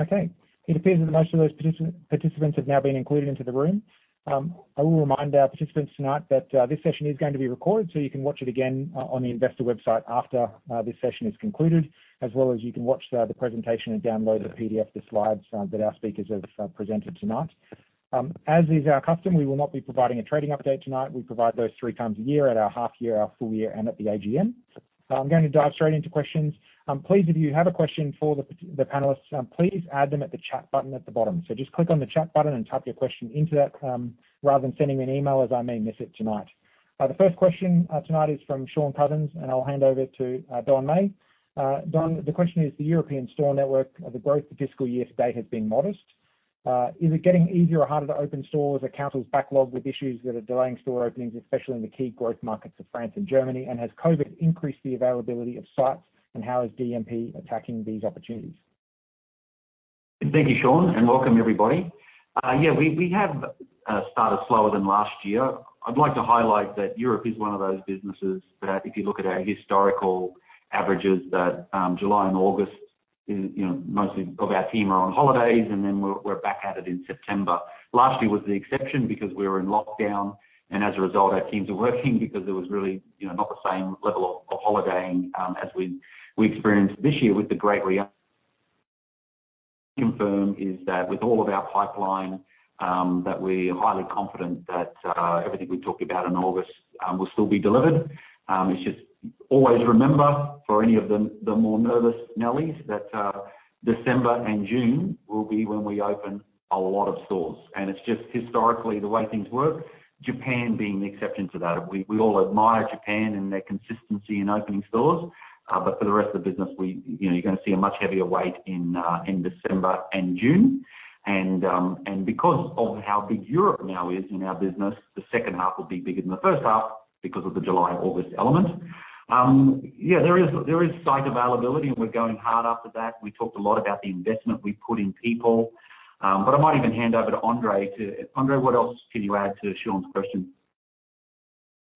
Okay. It appears that most of those participants have now been included into the room. I will remind our participants tonight that this session is going to be recorded, so you can watch it again on the Investor website after this session is concluded, as well as you can watch the presentation and download the PDF, the slides that our speakers have presented tonight. As is our custom, we will not be providing a trading update tonight. We provide those three times a year at our half-year, our full-year, and at the AGM. I'm going to dive straight into questions. Please, if you have a question for the panelists, please add them at the chat button at the bottom. So just click on the chat button and type your question into that rather than sending me an email as I may miss it tonight. The first question tonight is from Shaun Cousins, and I'll hand over to Don Meij. Don, the question is, the European store network, the growth the fiscal year to date has been modest. Is it getting easier or harder to open stores? councils backlog with issues that are delaying store openings, especially in the key growth markets of France and Germany, and has COVID increased the availability of sites, and how is DMP attacking these opportunities? Thank you, Shaun, and welcome, everybody. Yeah, we have started slower than last year. I'd like to highlight that Europe is one of those businesses that if you look at our historical averages, that July and August, most of our team are on holidays, and then we're back at it in September. Last year was the exception because we were in lockdown, and as a result, our teams are working because there was really not the same level of holidaying as we experienced this year with the great reaction. Confirm is that with all of our pipeline, that we're highly confident that everything we talked about in August will still be delivered. It's just always remember for any of the more nervous Nellies that December and June will be when we open a lot of stores. It's just historically the way things work, Japan being the exception to that. We all admire Japan and their consistency in opening stores, but for the rest of the business, you're going to see a much heavier weight in December and June, and because of how big Europe now is in our business, the second half will be bigger than the first half because of the July-August element. Yeah, there is site availability, and we're going hard after that. We talked a lot about the investment we put in people, but I might even hand over to Andre to Andre. What else can you add to Shaun's question?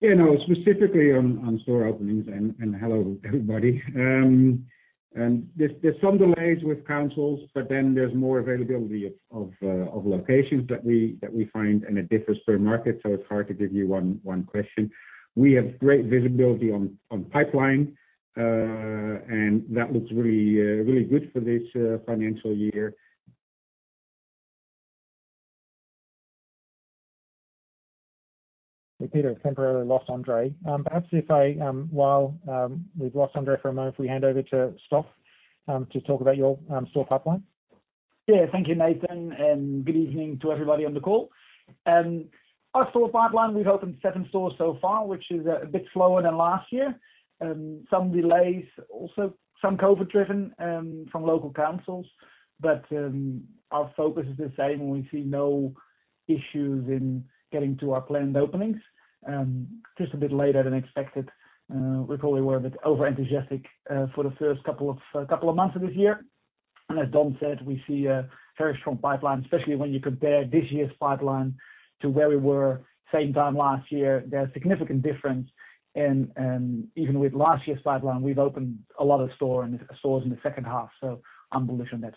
Yeah, no, specifically on store openings, and Hello, everybody. There's some delays with councils, but then there's more availability of locations that we find, and it differs per market, so it's hard to give you one question. We have great visibility on pipeline, and that looks really good for this financial year. Hey, Peter, temporarily lost Andre. Perhaps if I, while we've lost Andre for a moment, if we hand over to Stoffel to talk about your store pipeline? Yeah, thank you, Nathan, and good evening to everybody on the call. Our store pipeline, we've opened seven stores so far, which is a bit slower than last year. Some delays also, some COVID-driven from local councils, but our focus is the same, and we see no issues in getting to our planned openings, just a bit later than expected. We probably were a bit over-enthusiastic for the first couple of months of this year, and as Don said, we see a very strong pipeline, especially when you compare this year's pipeline to where we were same time last year. There's a significant difference, and even with last year's pipeline, we've opened a lot of stores in the second half, so I'm bullish on that.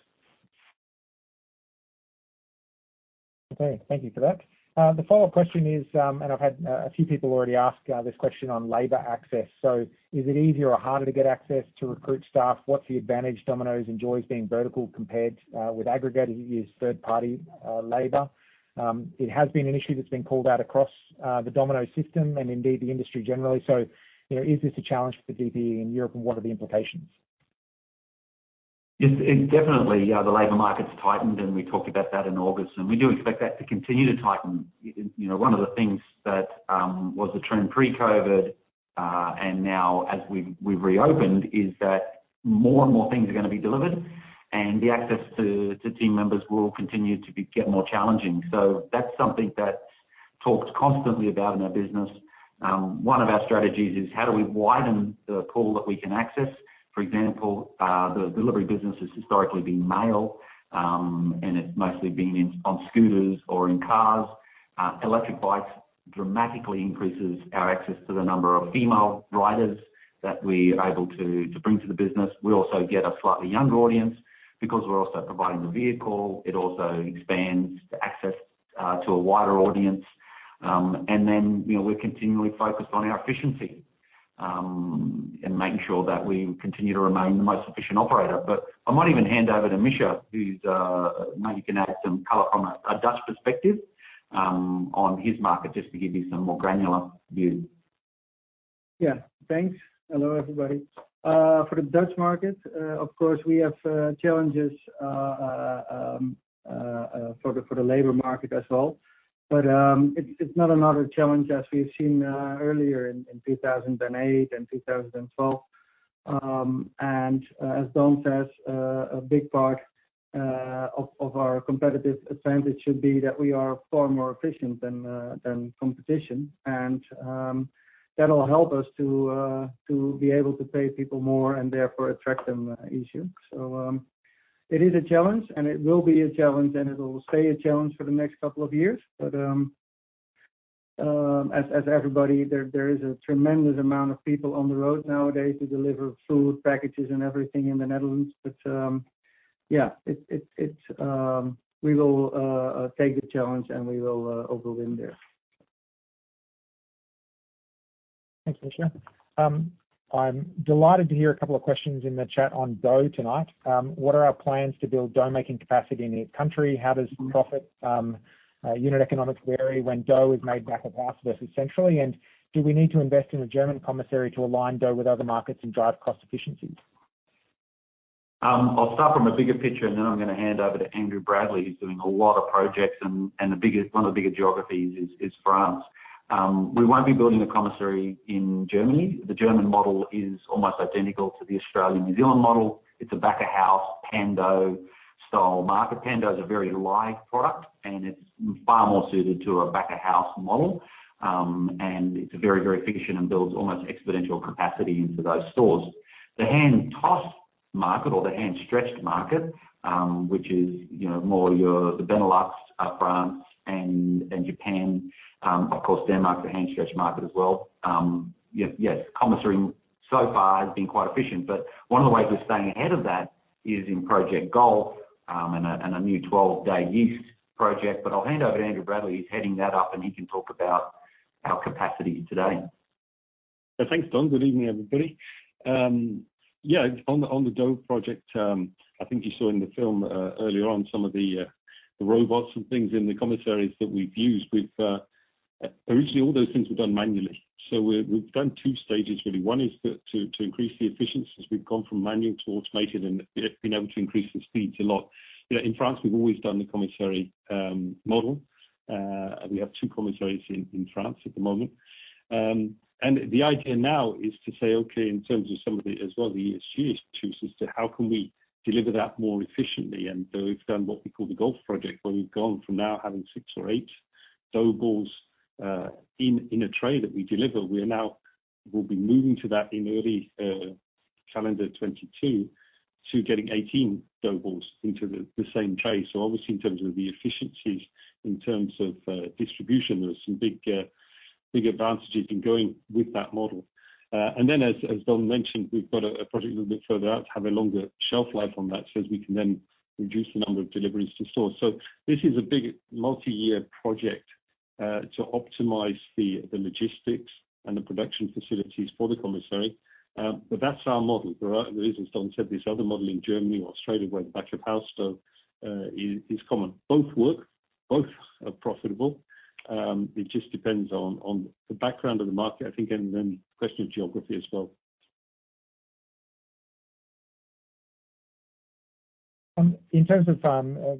Okay, thank you for that. The follow-up question is, and I've had a few people already ask this question on labor access. So is it easier or harder to get access to recruit staff? What's the advantage? Domino's enjoys being vertical compared with aggregators. It is third-party labor. It has been an issue that's been called out across the Domino's system and indeed the industry generally. So is this a challenge for the DPE in Europe, and what are the implications? Yes, it definitely, yeah, the labor market's tightened, and we talked about that in August, and we do expect that to continue to tighten. One of the things that was the trend pre-COVID, and now as we've reopened, is that more and more things are going to be delivered, and the access to team members will continue to get more challenging. So that's something that's talked constantly about in our business. One of our strategies is how do we widen the pool that we can access? For example, the delivery business has historically been male, and it's mostly been on scooters or in cars. Electric bikes dramatically increase our access to the number of female riders that we are able to bring to the business. We also get a slightly younger audience because we're also providing the vehicle. It also expands the access to a wider audience. And then we're continually focused on our efficiency and making sure that we continue to remain the most efficient operator. But I might even hand over to Misja, who might even add some color from a Dutch perspective on his market just to give you some more granular view. Yeah, thanks. Hello, everybody. For the Dutch market, of course, we have challenges for the labor market as well, but it's not another challenge as we've seen earlier in 2008 and 2012. And as Don says, a big part of our competitive advantage should be that we are far more efficient than competition, and that'll help us to be able to pay people more and therefore attract them easier. So it is a challenge, and it will be a challenge, and it'll stay a challenge for the next couple of years. But as everybody, there is a tremendous amount of people on the road nowadays to deliver food packages and everything in the Netherlands. But yeah, we will take the challenge, and we will overwhelm there. Thanks, Misja. I'm delighted to hear a couple of questions in the chat on dough tonight. What are our plans to build dough-making capacity in the country? How does profit unit economics vary when dough is made back of house versus centrally? And do we need to invest in a German commissary to align dough with other markets and drive cost efficiencies? I'll start from a bigger picture, and then I'm going to hand over to Andrew Bradley, who's doing a lot of projects, and one of the bigger geographies is France. We won't be building a commissary in Germany. The German model is almost identical to the Australian-New Zealand model. It's a back-of-house pan dough-style market. Pan dough is a very light product, and it's far more suited to a back-of-house model, and it's very, very efficient and builds almost exponential capacity into those stores. The hand-tossed market or the hand-stretched market, which is more the Benelux, France, and Japan, of course, Denmark, the hand-stretched market as well. Yes, commissary so far has been quite efficient, but one of the ways we're staying ahead of that is in Project Golf and a new 12-day yeast project. But I'll hand over to Andrew Bradley, who's heading that up, and he can talk about our capacity today. Thanks, Don. Good evening, everybody. Yeah, on the dough project, I think you saw in the film earlier on some of the robots and things in the commissaries that we've used. Originally, all those things were done manually. So we've done two stages, really. One is to increase the efficiency as we've gone from manual to automated and been able to increase the speeds a lot. In France, we've always done the commissary model. We have two commissaries in France at the moment. And the idea now is to say, okay, in terms of some of the, as well as the ESG issues, as to how can we deliver that more efficiently. And so we've done what we call the Golf Project, where we've gone from now having six or eight dough balls in a tray that we deliver. We'll be moving to that in early calendar 2022 to getting 18 dough balls into the same tray. So obviously, in terms of the efficiencies, in terms of distribution, there are some big advantages in going with that model. And then, as Don mentioned, we've got a project a little bit further out to have a longer shelf life on that so that we can then reduce the number of deliveries to stores. So this is a big multi-year project to optimize the logistics and the production facilities for the commissary, but that's our model. There is, as Don said, this other model in Germany or Australia where the back-of-house store is common. Both work, both are profitable. It just depends on the background of the market, I think, and then the question of geography as well. In terms of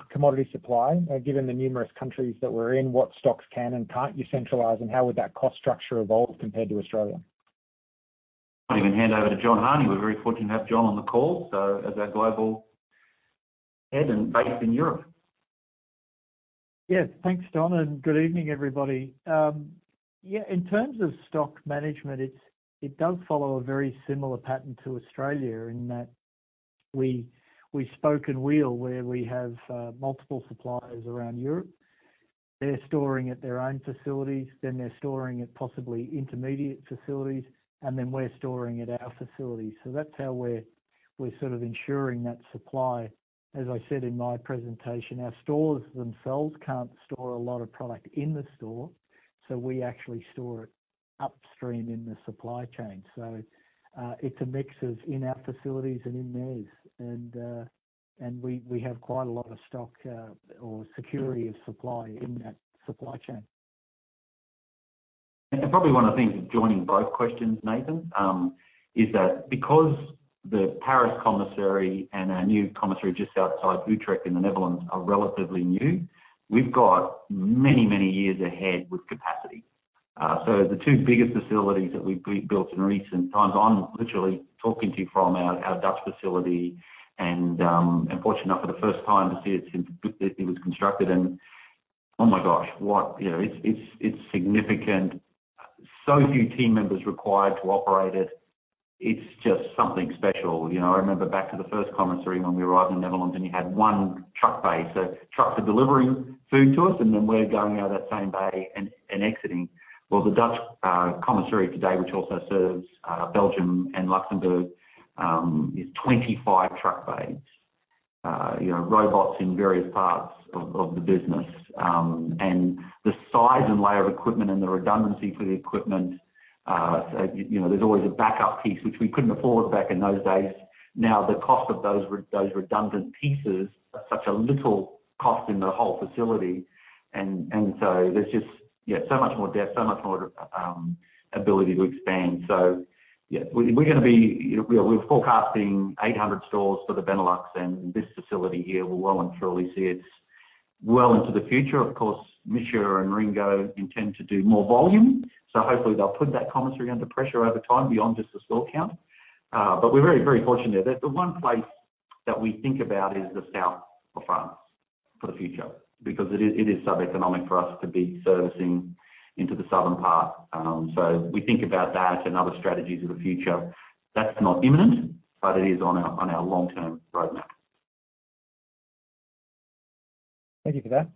commodity supply, given the numerous countries that we're in, what stocks can and can't you centralize, and how would that cost structure evolve compared to Australia? I'll even hand over to John Harney. We're very fortunate to have John on the call as our global head and based in Europe. Yes, thanks, Don, and good evening, everybody. Yeah, in terms of stock management, it does follow a very similar pattern to Australia in that hub-and-spoke where we have multiple suppliers around Europe. They're storing at their own facilities, then they're storing at possibly intermediate facilities, and then we're storing at our facilities. So that's how we're sort of ensuring that supply. As I said in my presentation, our stores themselves can't store a lot of product in the store, so we actually store it upstream in the supply chain. So it's a mix of in-house facilities and commissaries, and we have quite a lot of stock, our security of supply in that supply chain. And I probably want to think of joining both questions, Nathan. Is that because the Paris commissary and our new commissary just outside Utrecht in the Netherlands are relatively new? We've got many, many years ahead with capacity. So the two biggest facilities that we've built in recent times. I'm literally talking to you from our Dutch facility, and fortunate enough for the first time to see it since it was constructed, and oh my gosh, what it's significant. So few team members required to operate it. It's just something special. I remember back to the first commissary when we arrived in the Netherlands, and you had one truck bay. So trucks are delivering food to us, and then we're going out of that same bay and exiting. Well, the Dutch commissary today, which also serves Belgium and Luxembourg, is 25 truck bays, robots in various parts of the business. And the size and layer of equipment and the redundancy for the equipment, there's always a backup piece, which we couldn't afford back in those days. Now, the cost of those redundant pieces is such a little cost in the whole facility, and so there's just, yeah, so much more depth, so much more ability to expand. So yeah, we're going to be forecasting 800 stores for the Benelux, and this facility here will well and truly see it well into the future. Of course, Misja and Ringo intend to do more volume, so hopefully they'll put that commissary under pressure over time beyond just the store count. But we're very, very fortunate that the one place that we think about is the south of France for the future because it is sub-economic for us to be servicing into the southern part. So we think about that and other strategies of the future. That's not imminent, but it is on our long-term roadmap. Thank you for that.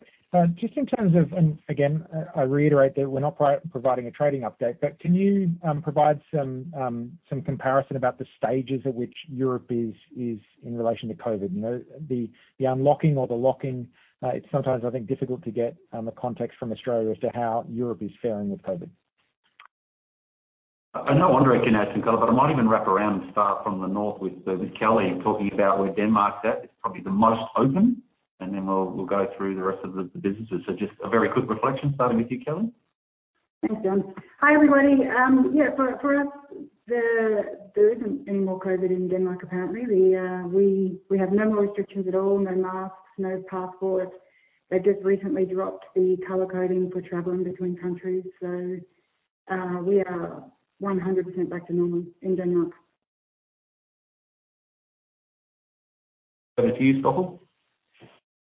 Just in terms of, and again, I reiterate that we're not providing a trading update, but can you provide some comparison about the stages at which Europe is in relation to COVID? The unlocking or the locking, it's sometimes, I think, difficult to get the context from Australia as to how Europe is faring with COVID. I know Andre can add some color, but I might even wrap around and start from the north with Kellie talking about where Denmark's at. It's probably the most open, and then we'll go through the rest of the businesses. So just a very quick reflection starting with you, Kellie. Thanks, Don. Hi, everybody. Yeah, for us, there isn't any more COVID in Denmark apparently. We have no more restrictions at all, no masks, no passports. They've just recently dropped the color coding for traveling between countries, so we are 100% back to normal in Denmark. Over to you, Stoffel?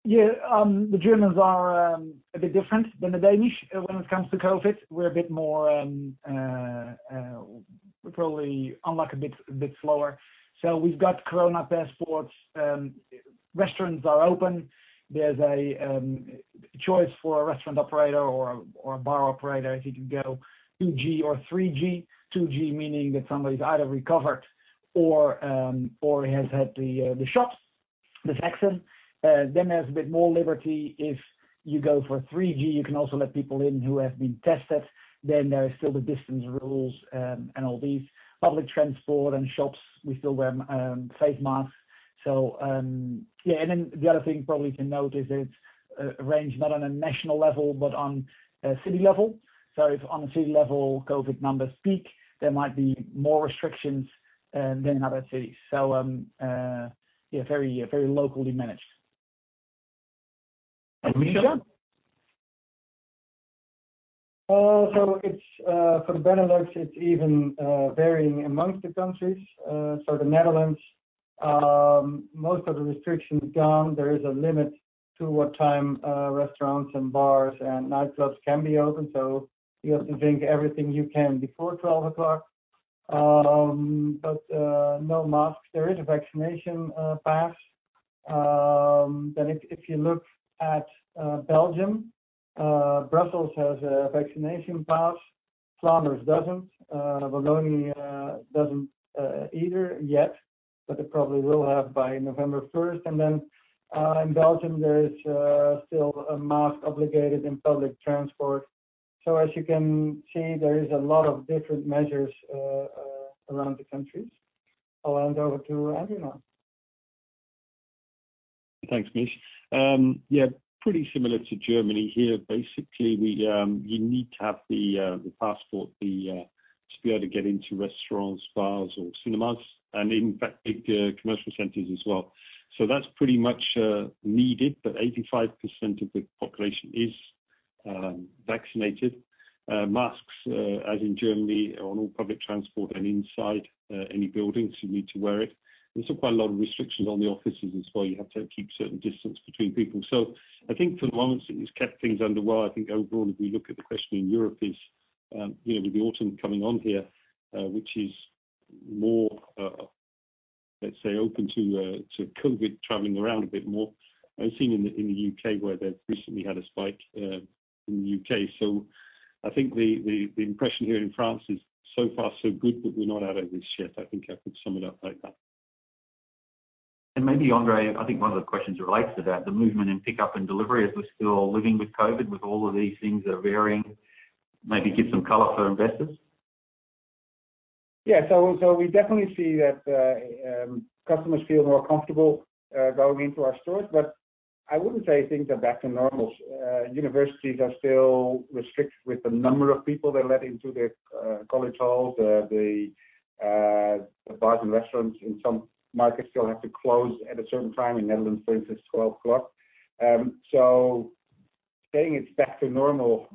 Yeah, the Germans are a bit different than the Danish when it comes to COVID. We're a bit more, probably unlock a bit slower. So we've got corona passports. Restaurants are open. There's a choice for a restaurant operator or a bar operator if you can go 2G or 3G. 2G meaning that somebody's either recovered or has had the shot, the vaccine. Then there's a bit more liberty. If you go for 3G, you can also let people in who have been tested. Then there are still the distance rules and all these. Public transport and shops, we still wear face masks. So yeah, and then the other thing probably to note is that it's arranged not on a national level, but on city level. So if on a city level, COVID numbers peak, there might be more restrictions than in other cities. So yeah, very locally managed. And Misja? So for the Benelux, it's even varying among the countries. So the Netherlands, most of the restrictions gone. There is a limit to what time restaurants and bars and nightclubs can be open. So you have to drink everything you can before 12:00, but no masks. There is a vaccination pass. Then if you look at Belgium, Brussels has a vaccination pass. Flanders doesn't. Wallonia doesn't either yet, but they probably will have by November 1st. And then in Belgium, there is still a mask obligation in public transport. So as you can see, there is a lot of different measures around the countries. I'll hand over to Andrew now. Thanks, Misja. Yeah, pretty similar to Germany here. Basically, you need to have the passport to be able to get into restaurants, bars, or cinemas, and in fact, big commercial centers as well. So that's pretty much needed, but 85% of the population is vaccinated. Masks, as in Germany, on all public transport and inside any buildings, you need to wear it. There's still quite a lot of restrictions on the offices as well. You have to keep certain distance between people. So I think for the moment, it's kept things under control. I think overall, if we look at the situation in Europe with the autumn coming on here, which is more, let's say, open to COVID, traveling around a bit more. I've seen in the U.K. where they've recently had a spike in the U.K. So I think the impression here in France is so far so good, but we're not out of this yet. I think I could sum it up like that. Maybe, Andre, I think one of the questions relates to that, the movement in pickup and delivery. Are we still living with COVID with all of these things that are varying? Maybe give some color for investors. Yeah, so we definitely see that customers feel more comfortable going into our stores, but I wouldn't say things are back to normal. Universities are still restricted with the number of people they let into their college halls. The bars and restaurants in some markets still have to close at a certain time in Netherlands, for instance, 12:00. So saying it's back to normal,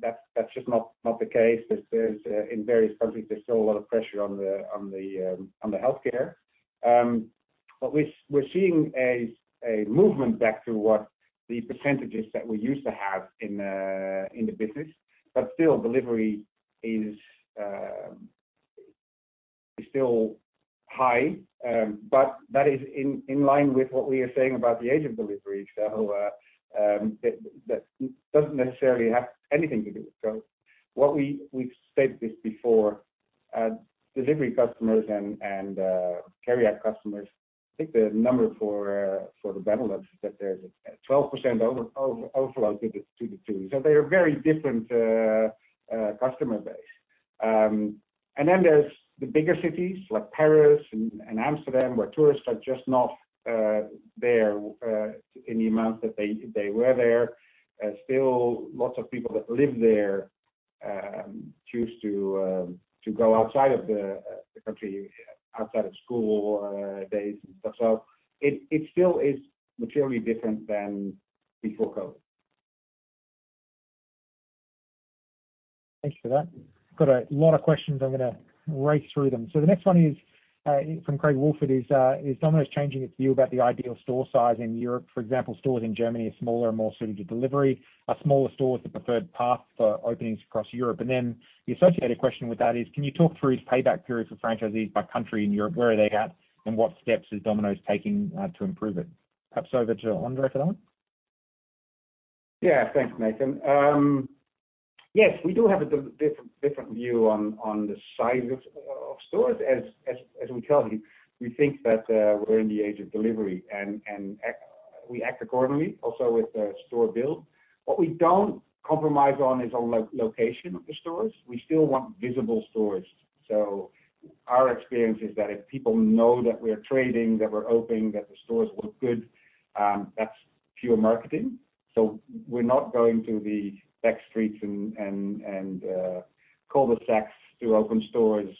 that's just not the case. In various countries, there's still a lot of pressure on the healthcare. But we're seeing a movement back to what the percentages that we used to have in the business, but still delivery is still high. But that is in line with what we are saying about the age of delivery. So that doesn't necessarily have anything to do with COVID. We've stated this before. Delivery customers and carry-out customers, I think the number for the Benelux is that there's a 12% overlap to the two. So they're a very different customer base, and then there's the bigger cities like Paris and Amsterdam where tourists are just not there in the amount that they were there. Still, lots of people that live there choose to go outside of the country, outside of school days and stuff, so it still is materially different than before COVID. Thanks for that. Got a lot of questions. I'm going to race through them. So the next one is from Craig Woolford. Is Domino's changing its view about the ideal store size in Europe? For example, stores in Germany are smaller and more suited to delivery. Are smaller stores the preferred path for openings across Europe? And then the associated question with that is, can you talk through its payback period for franchisees by country in Europe? Where are they at, and what steps is Domino's taking to improve it? Perhaps over to Andre for that one. Yeah, thanks, Nathan. Yes, we do have a different view on the size of stores. As we tell you, we think that we're in the age of delivery, and we act accordingly also with store build. What we don't compromise on is on location of the stores. We still want visible stores. So our experience is that if people know that we're trading, that we're open, that the stores look good, that's pure marketing. So we're not going to the back streets and cul-de-sacs to open stores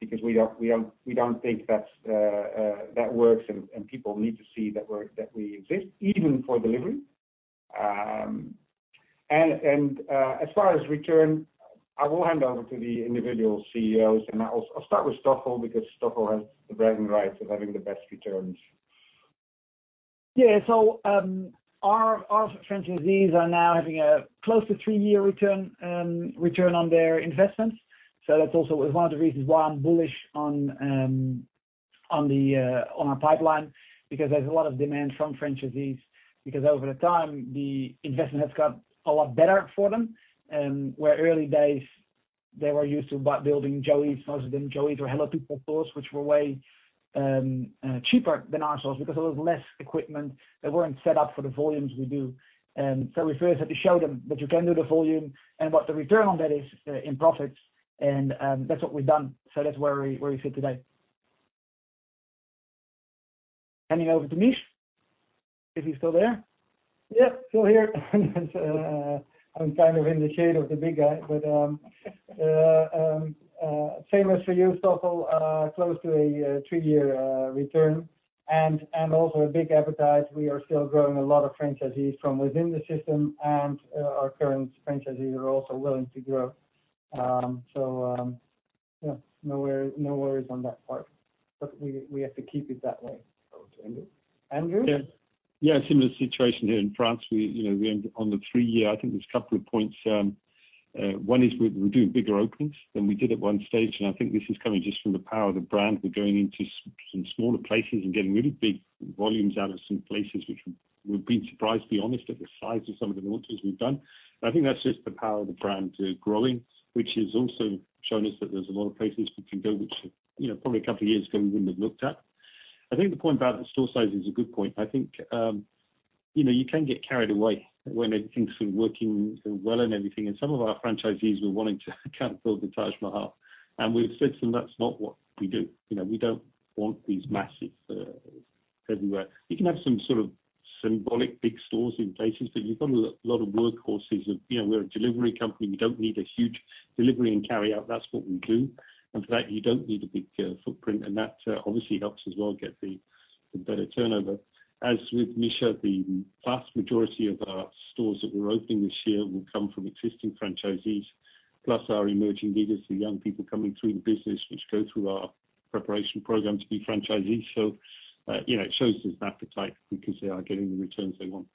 because we don't think that works, and people need to see that we exist, even for delivery. And as far as return, I will hand over to the individual CEOs, and I'll start with Stoffel because Stoffel has the bragging rights of having the best returns. Yeah, so our franchisees are now having a close to three-year return on their investments. So that's also one of the reasons why I'm bullish on our pipeline because there's a lot of demand from franchisees because over time, the investment has got a lot better for them. In the early days, they were used to building Joey's, most of them Joey's or Hallo Pizza stores, which were way cheaper than our stores because there was less equipment. They weren't set up for the volumes we do. So we first had to show them that you can do the volume and what the return on that is in profits, and that's what we've done. So that's where we sit today. Handing over to Misja, if he's still there. Yeah, still here. I'm kind of in the shade of the big guy, but same as for you, Stoffel, close to a three-year return and also a big appetite. We are still growing a lot of franchisees from within the system, and our current franchisees are also willing to grow. So yeah, no worries on that part, but we have to keep it that way. Andrew? Yeah, similar situation here in France. We ended on the three-year. I think there's a couple of points. One is we're doing bigger openings than we did at one stage, and I think this is coming just from the power of the brand. We're going into some smaller places and getting really big volumes out of some places, which we've been surprised, to be honest, at the size of some of the launches we've done. I think that's just the power of the brand growing, which has also shown us that there's a lot of places we can go, which probably a couple of years ago we wouldn't have looked at. I think the point about the store size is a good point. I think you can get carried away when everything's sort of working well and everything. And some of our franchisees were wanting to kind of build the Taj Mahal, and we've said to them, "That's not what we do. We don't want these massive everywhere." You can have some sort of symbolic big stores in places, but you've got a lot of workhorses. We're a delivery company. We don't need a huge delivery and carry-out. That's what we do. And for that, you don't need a big footprint, and that obviously helps as well get the better turnover. As with Misja, the vast majority of our stores that we're opening this year will come from existing franchisees, plus our emerging leaders, the young people coming through the business, which go through our preparation program to be franchisees. So it shows there's an appetite because they are getting the returns they want.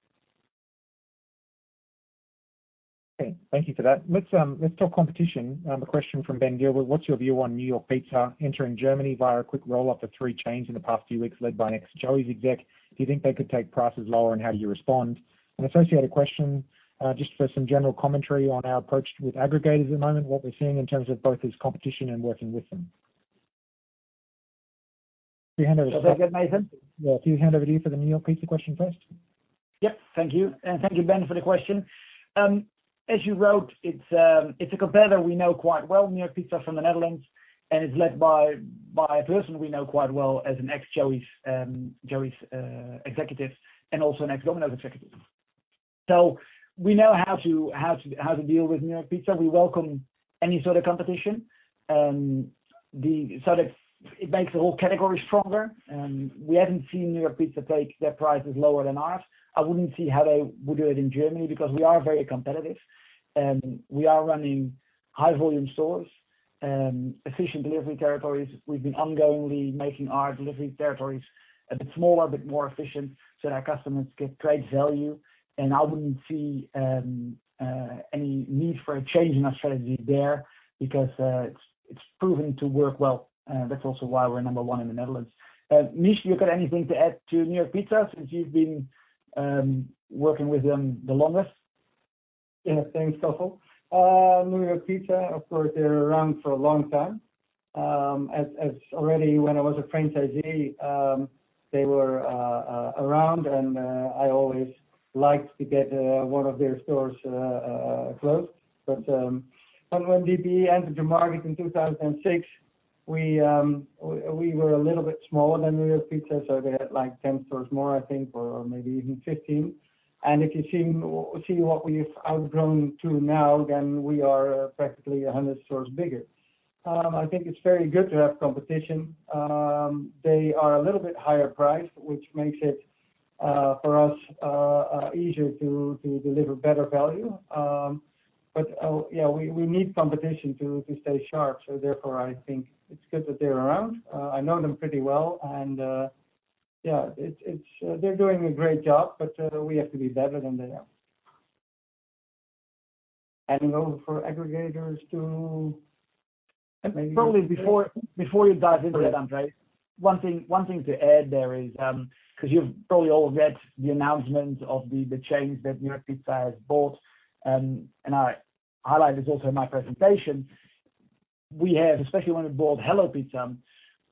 Okay, thank you for that. Let's talk competition. A question from Ben Gill. What's your view on New York Pizza entering Germany via a quick roll-up of three chains in the past few weeks led by an ex-Joey's exec? Do you think they could take prices lower, and how do you respond? An associated question just for some general commentary on our approach with aggregators at the moment, what we're seeing in terms of both competition and working with them. Can you hand over to Stoffel? Can I get Nathan? Yeah, if you hand over to you for the New York Pizza question first. Yep, thank you and thank you, Ben, for the question. As you wrote, it's a competitor we know quite well, New York Pizza from the Netherlands, and it's led by a person we know quite well as an ex-Joey's executive and also an ex-Domino's executive. So we know how to deal with New York Pizza. We welcome any sort of competition. So it makes the whole category stronger. We haven't seen New York Pizza take their prices lower than ours. I wouldn't see how they would do it in Germany because we are very competitive. We are running high-volume stores, efficient delivery territories. We've been ongoingly making our delivery territories a bit smaller, a bit more efficient so that our customers get great value and I wouldn't see any need for a change in our strategy there because it's proven to work well. That's also why we're number one in the Netherlands. Misja, you've got anything to add to New York Pizza since you've been working with them the longest? Yeah, thanks, Stoffel. New York Pizza, of course, they're around for a long time. As already when I was a franchisee, they were around, and I always liked to get one of their stores closed. But when DPE entered the market in 2006, we were a little bit smaller than New York Pizza. So they had like 10 stores more, I think, or maybe even 15. And if you see what we've outgrown to now, then we are practically 100 stores bigger. I think it's very good to have competition. They are a little bit higher priced, which makes it for us easier to deliver better value. But yeah, we need competition to stay sharp. So therefore, I think it's good that they're around. I know them pretty well. And yeah, they're doing a great job, but we have to be better than they are. Handing over for aggregators to maybe. Probably before you dive into that, Andre, one thing to add there is, because you've probably all read the announcement of the chains that New York Pizza has bought, and I highlight this also in my presentation. We have, especially when we bought Hallo Pizza,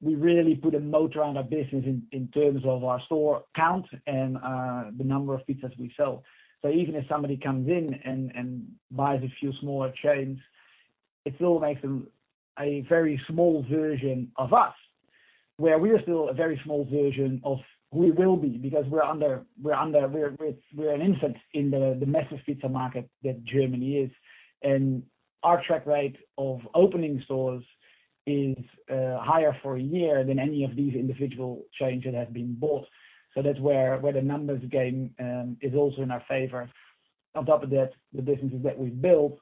we really put a motor on our business in terms of our store count and the number of pizzas we sell. So even if somebody comes in and buys a few smaller chains, it still makes them a very small version of us, where we are still a very small version of who we will be because we're an infant in the massive pizza market that Germany is. And our track rate of opening stores is higher for a year than any of these individual chains that have been bought. So that's where the numbers game is also in our favor. On top of that, the businesses that we've built,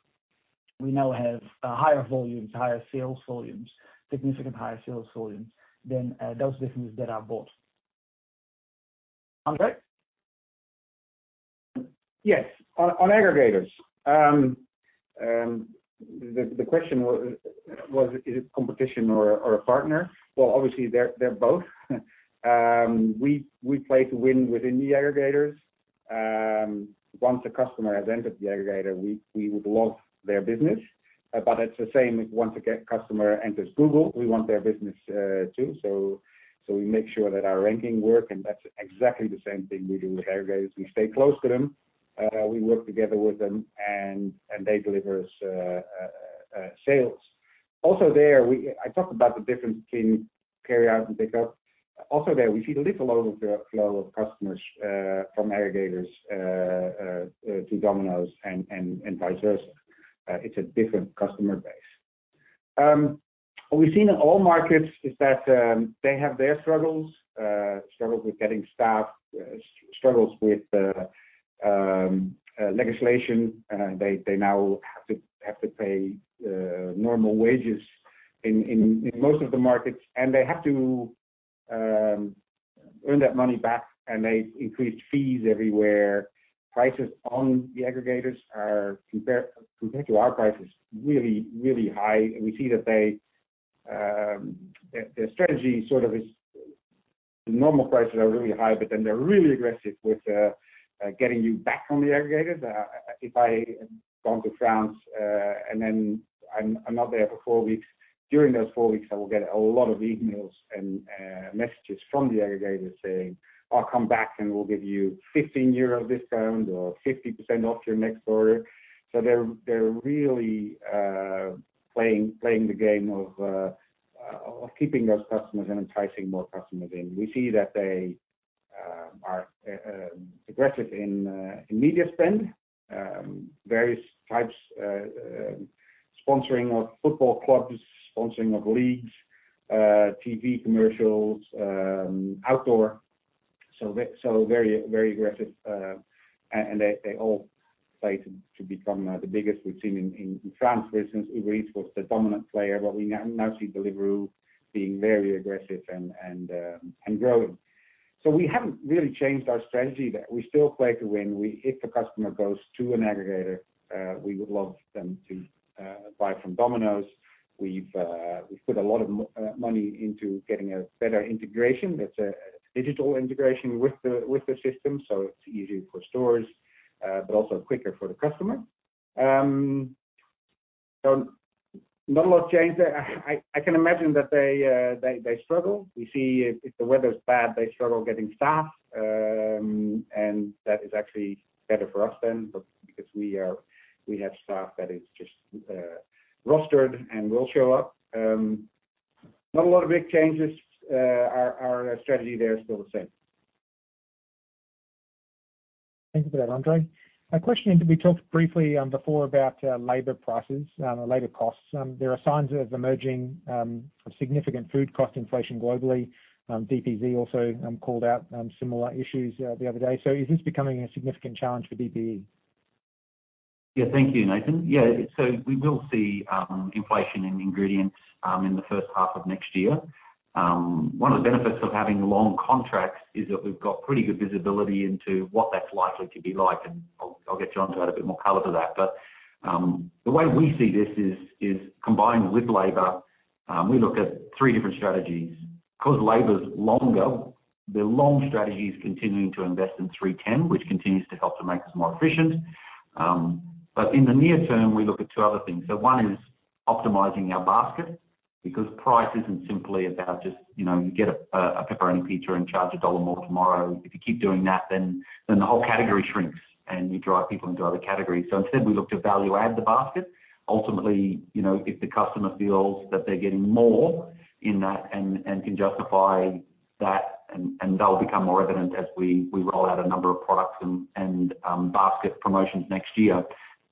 we now have higher volumes, higher sales volumes, significant higher sales volumes than those businesses that are bought. Andre? Yes, on aggregators. The question was, is it competition or a partner? Well, obviously, they're both. We play to win within the aggregators. Once a customer has entered the aggregator, we would love their business. But it's the same if once a customer enters Google, we want their business too. So we make sure that our ranking works, and that's exactly the same thing we do with aggregators. We stay close to them. We work together with them, and they deliver sales. Also there, I talked about the difference between carry-out and pick-up. Also there, we see a little overflow of customers from aggregators to Domino's and vice versa. It's a different customer base. What we've seen in all markets is that they have their struggles, struggles with getting staff, struggles with legislation. They now have to pay normal wages in most of the markets, and they have to earn that money back, and they've increased fees everywhere. Prices on the aggregators are compared to our prices really, really high. We see that their strategy sort of is the normal prices are really high, but then they're really aggressive with getting you back on the aggregators. If I've gone to France and then I'm not there for four weeks, during those four weeks, I will get a lot of emails and messages from the aggregators saying, "Come back and we'll give you 15 euro discount or 50% off your next order." So they're really playing the game of keeping those customers and enticing more customers in. We see that they are aggressive in media spend, various types, sponsoring of football clubs, sponsoring of leagues, TV commercials, outdoor. So very aggressive. They all play to become the biggest. We've seen in France, for instance, Uber Eats was the dominant player, but we now see Deliveroo being very aggressive and growing. We haven't really changed our strategy there. We still play to win. If a customer goes to an aggregator, we would love them to buy from Domino's. We've put a lot of money into getting a better integration. It's a digital integration with the system, so it's easier for stores, but also quicker for the customer. Not a lot changed. I can imagine that they struggle. We see if the weather's bad, they struggle getting staff, and that is actually better for us then because we have staff that is just rostered and will show up. Not a lot of big changes. Our strategy there is still the same. Thank you for that, Andre. My question, we talked briefly before about labor prices, labor costs. There are signs of emerging significant food cost inflation globally. DPZ also called out similar issues the other day. So is this becoming a significant challenge for DPE? Yeah, thank you, Nathan. Yeah, so we will see inflation in ingredients in the first half of next year. One of the benefits of having long contracts is that we've got pretty good visibility into what that's likely to be like. And I'll get John to add a bit more color to that. But the way we see this, combined with labor, we look at three different strategies. Because labor's longer, the long strategy is continuing to invest in 3-10, which continues to help to make us more efficient. But in the near term, we look at two other things. So one is optimizing our basket because price isn't simply about just you get a pepperoni pizza and charge $ 1 more tomorrow. If you keep doing that, then the whole category shrinks and you drive people into other categories. So instead, we look to value-add the basket. Ultimately, if the customer feels that they're getting more in that and can justify that, and that will become more evident as we roll out a number of products and basket promotions next year,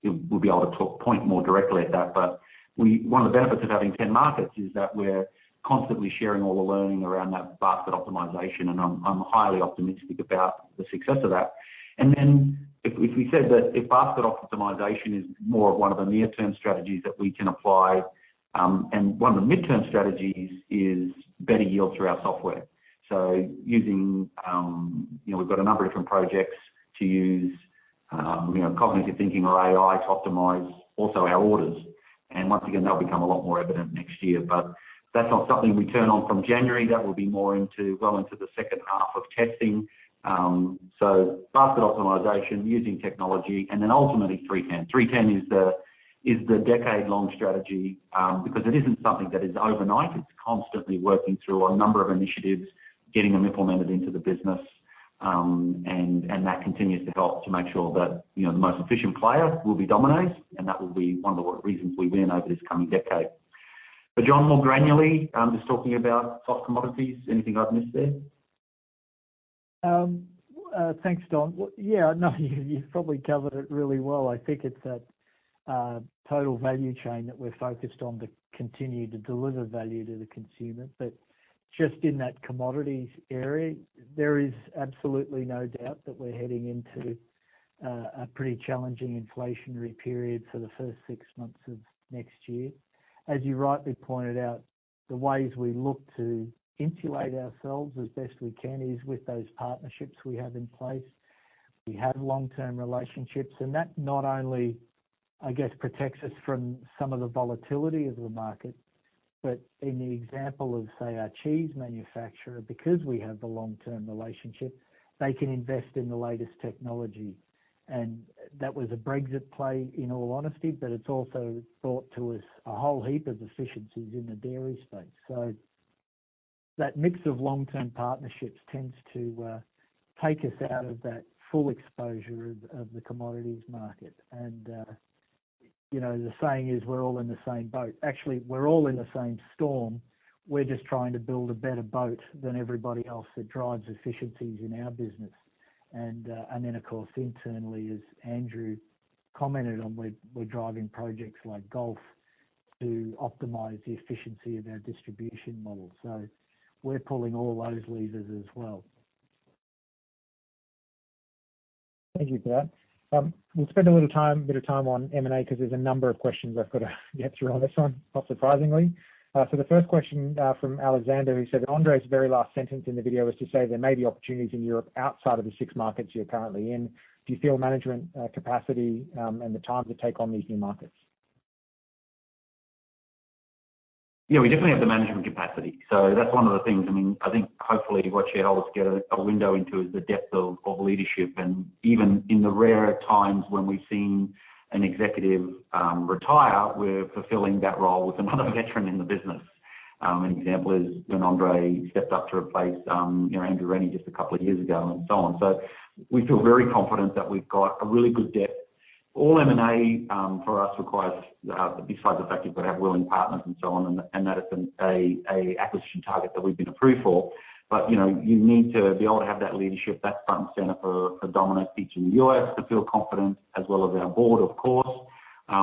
we'll be able to point more directly at that. But one of the benefits of having 10 markets is that we're constantly sharing all the learning around that basket optimization, and I'm highly optimistic about the success of that. And then if we said that if basket optimization is more of one of the near-term strategies that we can apply, and one of the mid-term strategies is better yield through our software. So using we've got a number of different projects to use cognitive thinking or AI to optimize also our orders. And once again, that'll become a lot more evident next year. But that's not something we turn on from January. That will be more into, well, into the second half of testing, so basket optimization, using technology, and then ultimately 3-10. 3-10 is the decade-long strategy because it isn't something that is overnight. It's constantly working through a number of initiatives, getting them implemented into the business, and that continues to help to make sure that the most efficient player will be Domino's, and that will be one of the reasons we win over this coming decade. But John, more granularly, just talking about soft commodities, anything I've missed there? Thanks, Dom. Yeah, no, you've probably covered it really well. I think it's that total value chain that we're focused on to continue to deliver value to the consumer. Just in that commodities area, there is absolutely no doubt that we're heading into a pretty challenging inflationary period for the first six months of next year. As you rightly pointed out, the ways we look to insulate ourselves as best we can is with those partnerships we have in place. We have long-term relationships, and that not only, I guess, protects us from some of the volatility of the market, but in the example of, say, our cheese manufacturer, because we have the long-term relationship, they can invest in the latest technology. That was a Brexit play, in all honesty, but it's also brought to us a whole heap of efficiencies in the dairy space. So that mix of long-term partnerships tends to take us out of that full exposure of the commodities market. And the saying is, "We're all in the same boat." Actually, we're all in the same storm. We're just trying to build a better boat than everybody else that drives efficiencies in our business. And then, of course, internally, as Andrew commented on, we're driving projects like Golf to optimize the efficiency of our distribution model. So we're pulling all those levers as well. Thank you for that. We'll spend a little bit of time on M&A because there's a number of questions I've got to get through on this one, not surprisingly. So the first question from Alexander, who said, "Andre's very last sentence in the video was to say there may be opportunities in Europe outside of the six markets you're currently in. Do you feel management capacity and the time to take on these new markets?" Yeah, we definitely have the management capacity. So that's one of the things. I mean, I think hopefully what shareholders get a window into is the depth of leadership. And even in the rare times when we've seen an executive retire, we're fulfilling that role with another veteran in the business. An example is when Andre stepped up to replace Andrew Rennie just a couple of years ago and so on. We feel very confident that we've got a really good depth. All M&A for us requires, besides the fact you've got to have willing partners and so on, and that it's an acquisition target that we've been approved for. But you need to be able to have that leadership that's front and center for Domino's Pizza in the U.S. to feel confident, as well as our board, of course.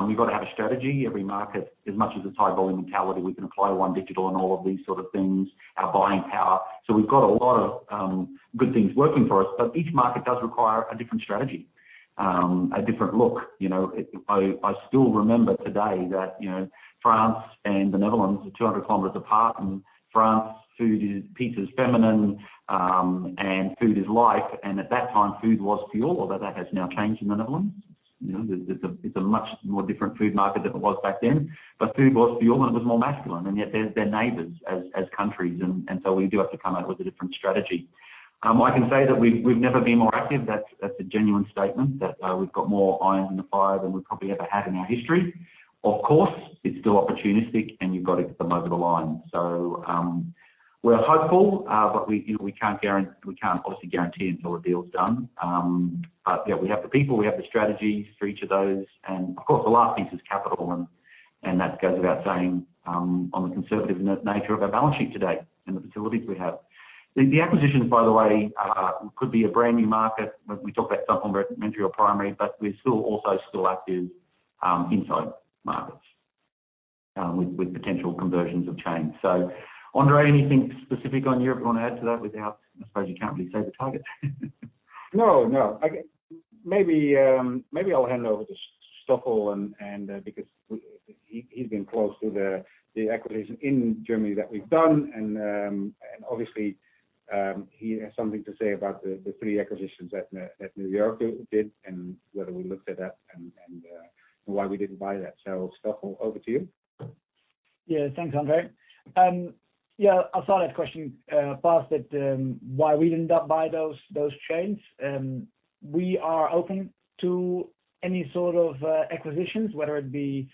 We've got to have a strategy. Every market, as much as it's high volume mentality, we can apply OneDigital and all of these sort of things, our buying power. We've got a lot of good things working for us, but each market does require a different strategy, a different look. I still remember today that France and the Netherlands are 200 km apart, and in French food is feminine and pizza is life. At that time, food was fuel, although that has now changed in the Netherlands. It's a much more different food market than it was back then. Food was fuel and it was more masculine. Yet they're neighbors as countries. We do have to come out with a different strategy. I can say that we've never been more active. That's a genuine statement that we've got more irons in the fire than we've probably ever had in our history. Of course, it's still opportunistic and you've got to get them over the line. We're hopeful, but we can't obviously guarantee until the deal's done. Yeah, we have the people, we have the strategies for each of those. Of course, the last piece is capital, and that goes without saying on the conservative nature of our balance sheet today and the facilities we have. The acquisitions, by the way, could be a brand new market. We talk about something like Montreal primary, but we're still also active inside markets with potential conversions of chains. So Andre, anything specific on Europe you want to add to that without, I suppose you can't really say the target? No, no. Maybe I'll hand over to Stoffel because he's been close to the acquisition in Germany that we've done. And obviously, he has something to say about the three acquisitions that New York did and whether we looked at that and why we didn't buy that. So Stoffel, over to you. Yeah, thanks, Andre. Yeah, I saw that question posed. That's why we didn't buy those chains. We are open to any sort of acquisitions, whether it be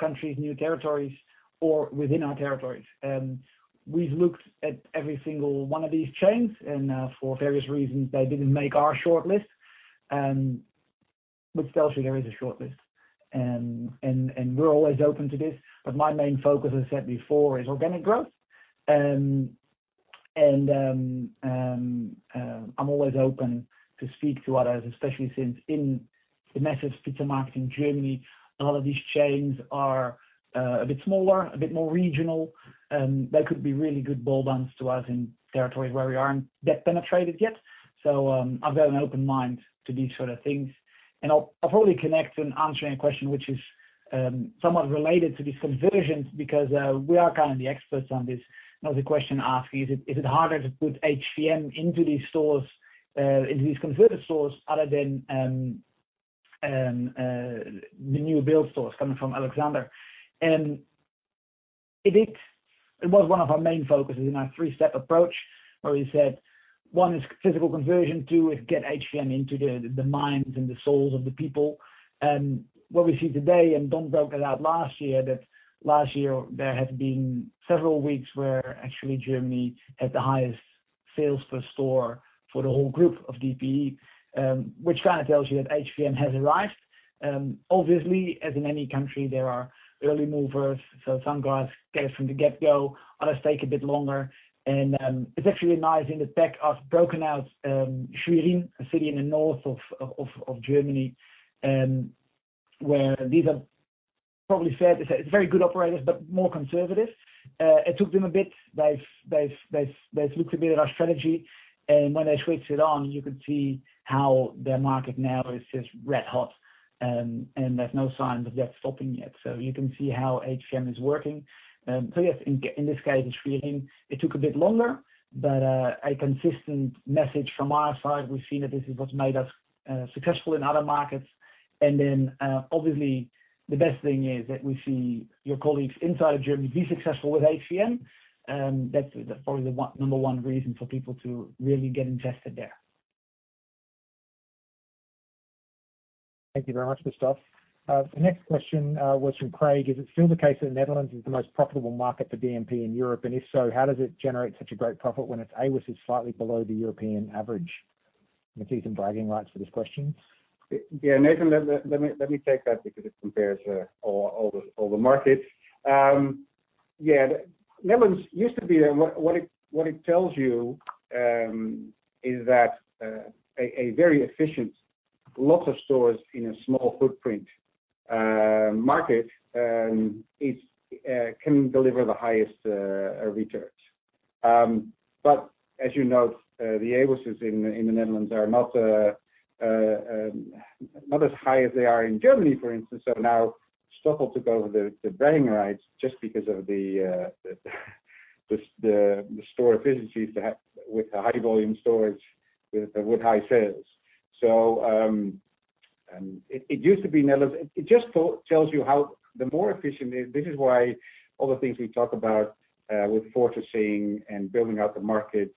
countries, new territories, or within our territories. We've looked at every single one of these chains, and for various reasons, they didn't make our shortlist, which tells you there is a shortlist, and we're always open to this, but my main focus, as I said before, is organic growth, and I'm always open to speak to others, especially since in the massive pizza market in Germany, a lot of these chains are a bit smaller, a bit more regional. They could be really good bolt-ons to us in territories where we aren't that penetrated yet, so I've got an open mind to these sort of things. I'll probably connect and answer your question, which is somewhat related to this conversion because we are kind of the experts on this. There's a question asking, is it harder to put HVM into these stores, into these converter stores other than the new build stores coming from Alexander? It was one of our main focuses in our three-step approach where we said, one is physical conversion, two is get HVM into the minds and the souls of the people. What we see today, and Dom broke it out last year, that last year there have been several weeks where actually Germany had the highest sales per store for the whole group of DPE, which kind of tells you that HVM has arrived. Obviously, as in any country, there are early movers. Some guys get it from the get-go. Others take a bit longer. It's actually nice in the back of beyond out in Schwerin, a city in the north of Germany, where they're very good operators, but more conservative. It took them a bit. They've looked a bit at our strategy. When they switched it on, you could see how their market now is just red hot. There's no signs of that stopping yet. You can see how HVM is working. Yes, in this case, it's Schwerin. It took a bit longer, but a consistent message from our side. We've seen that this is what's made us successful in other markets. Then obviously, the best thing is that we see your colleagues inside of Germany be successful with HVM. That's probably the number one reason for people to really get invested there. Thank you very much, Stoffel. The next question was from Craig. Is it still the case that the Netherlands is the most profitable market for DMP in Europe? And if so, how does it generate such a great profit when its AWUS' is slightly below the European average? Let's see some bragging rights for this question. Yeah, Nathan, let me take that because it compares all the markets. Yeah, Netherlands used to be there. What it tells you is that a very efficient, lots of stores in a small footprint market can deliver the highest returns. But as you know, the AWUS in the Netherlands are not as high as they are in Germany, for instance. So now Stoffel took over the bragging rights just because of the store efficiencies with high volume stores with high sales. So it used to be Netherlands. It just tells you how the more efficient. This is why all the things we talk about with fortressing and building out the markets.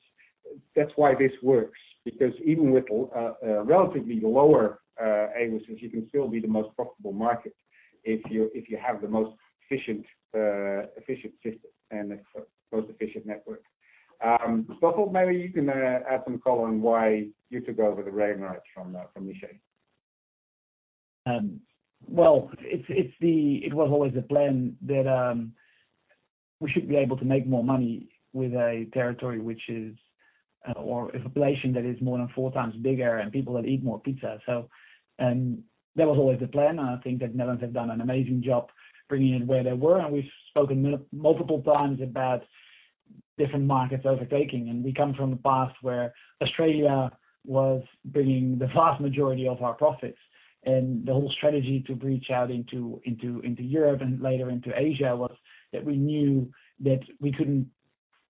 That's why this works. Because even with relatively lower AWUS, you can still be the most profitable market if you have the most efficient system and the most efficient network. Stoffel, maybe you can add some color on why you took over the bragging rights from Misja. It was always the plan that we should be able to make more money with a territory which is or a population that is more than four times bigger and people that eat more pizza. So that was always the plan. And I think that the Netherlands has done an amazing job bringing it where they were. And we've spoken multiple times about different markets overtaking. And we come from a past where Australia was bringing the vast majority of our profits. And the whole strategy to reach out into Europe and later into Asia was that we knew that we couldn't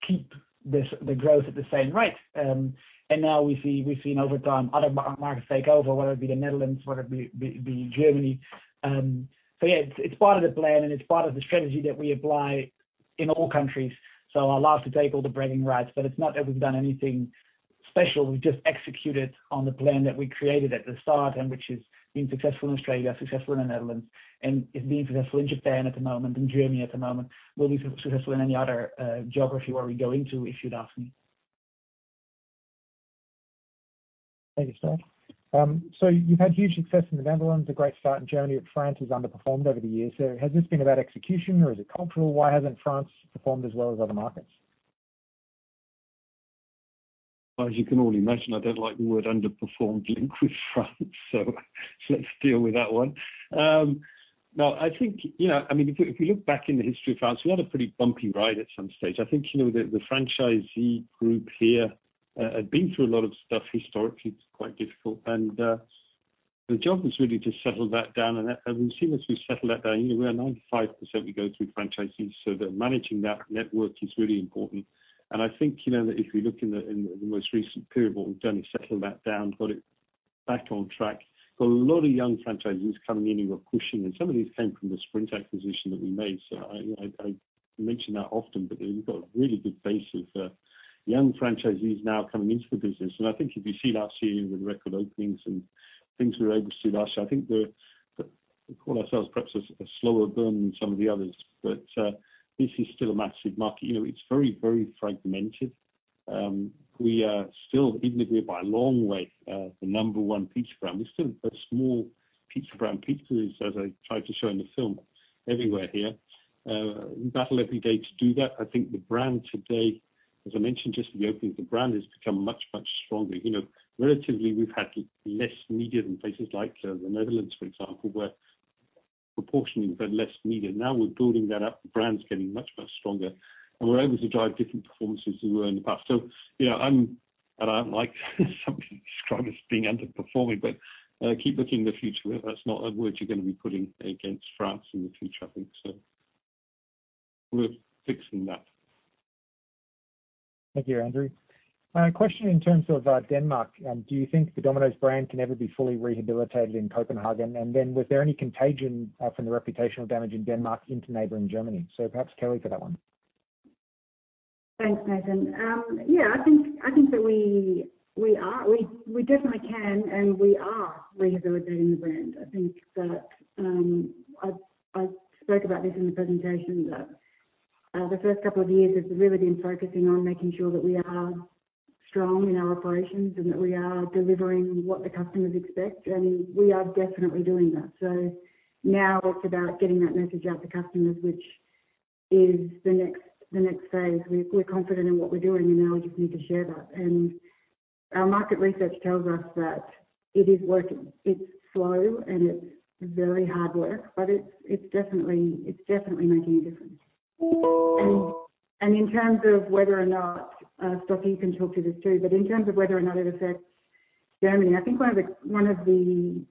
keep the growth at the same rate. And now we've seen over time other markets take over, whether it be the Netherlands, whether it be Germany. So yeah, it's part of the plan and it's part of the strategy that we apply in all countries. I'll take all the bragging rights, but it's not that we've done anything special. We've just executed on the plan that we created at the start and which has been successful in Australia, successful in the Netherlands, and is being successful in Japan at the moment and Germany at the moment. We'll be successful in any other geography where we go into if you'd ask me. Thank you, Stoffel. So you've had huge success in the Netherlands, a great start in Germany, but France has underperformed over the years. So has this been about execution or is it cultural? Why hasn't France performed as well as other markets? As you can already imagine, I don't like the word underperformed linked with France. So let's deal with that one. Now, I think, I mean, if we look back in the history of France, we had a pretty bumpy ride at some stage. I think the franchisee group here had been through a lot of stuff historically. It's quite difficult, and the job was really to settle that down. We've seen as we've settled that down, we are 95% we go through franchisees. So managing that network is really important. I think if you look in the most recent period, what we've done is settle that down, got it back on track. Got a lot of young franchisees coming in who are pushing, and some of these came from the Sprint acquisition that we made. So I mention that often, but we've got a really good base of young franchisees now coming into the business. And I think if you see last year with record openings and things we were able to do last year, I think we call ourselves perhaps a slower burn than some of the others. But this is still a massive market. It's very, very fragmented. We are still, even if we're by a long way the number one pizza brand, we're still a small pizza brand. Pizza is, as I tried to show in the film, everywhere here. We battle every day to do that. I think the brand today, as I mentioned, just with the opening, the brand has become much, much stronger. Relatively, we've had less media than places like the Netherlands, for example, where proportionally we've had less media. Now we're building that up. The brand's getting much, much stronger, and we're able to drive different performances than we were in the past, and I don't like somebody to describe us being underperforming, but keep looking in the future. That's not a word you're going to be putting against France in the future, I think, so we're fixing that. Thank you, Andrew. Question in terms of Denmark. Do you think the Domino's brand can ever be fully rehabilitated in Copenhagen? And then was there any contagion from the reputational damage in Denmark into neighboring Germany? So perhaps Kellie for that one. Thanks, Nathan. Yeah, I think that we definitely can and we are rehabilitating the brand. I think that I spoke about this in the presentation that the first couple of years have really been focusing on making sure that we are strong in our operations and that we are delivering what the customers expect. And we are definitely doing that. So now it's about getting that message out to customers, which is the next phase. We're confident in what we're doing and now we just need to share that. And our market research tells us that it is working. It's slow and it's very hard work, but it's definitely making a difference. And in terms of whether or not, Stoffel, you can talk to this too, but in terms of whether or not it affects Germany, I think one of the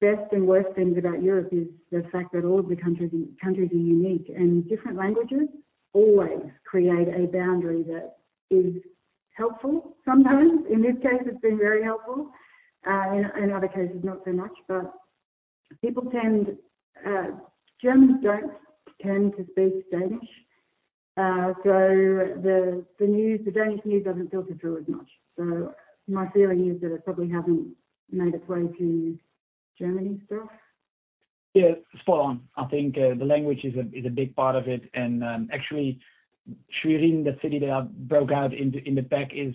best and worst things about Europe is the fact that all of the countries are unique. And different languages always create a boundary that is helpful sometimes. In this case, it's been very helpful. In other cases, not so much. But people tend, Germans don't tend to speak Danish. So the Danish news doesn't filter through as much. So my feeling is that it probably hasn't made its way to Germany, Stoffel. Yeah, spot on. I think the language is a big part of it. And actually, Schwerin, the city that I broke out in the pack, is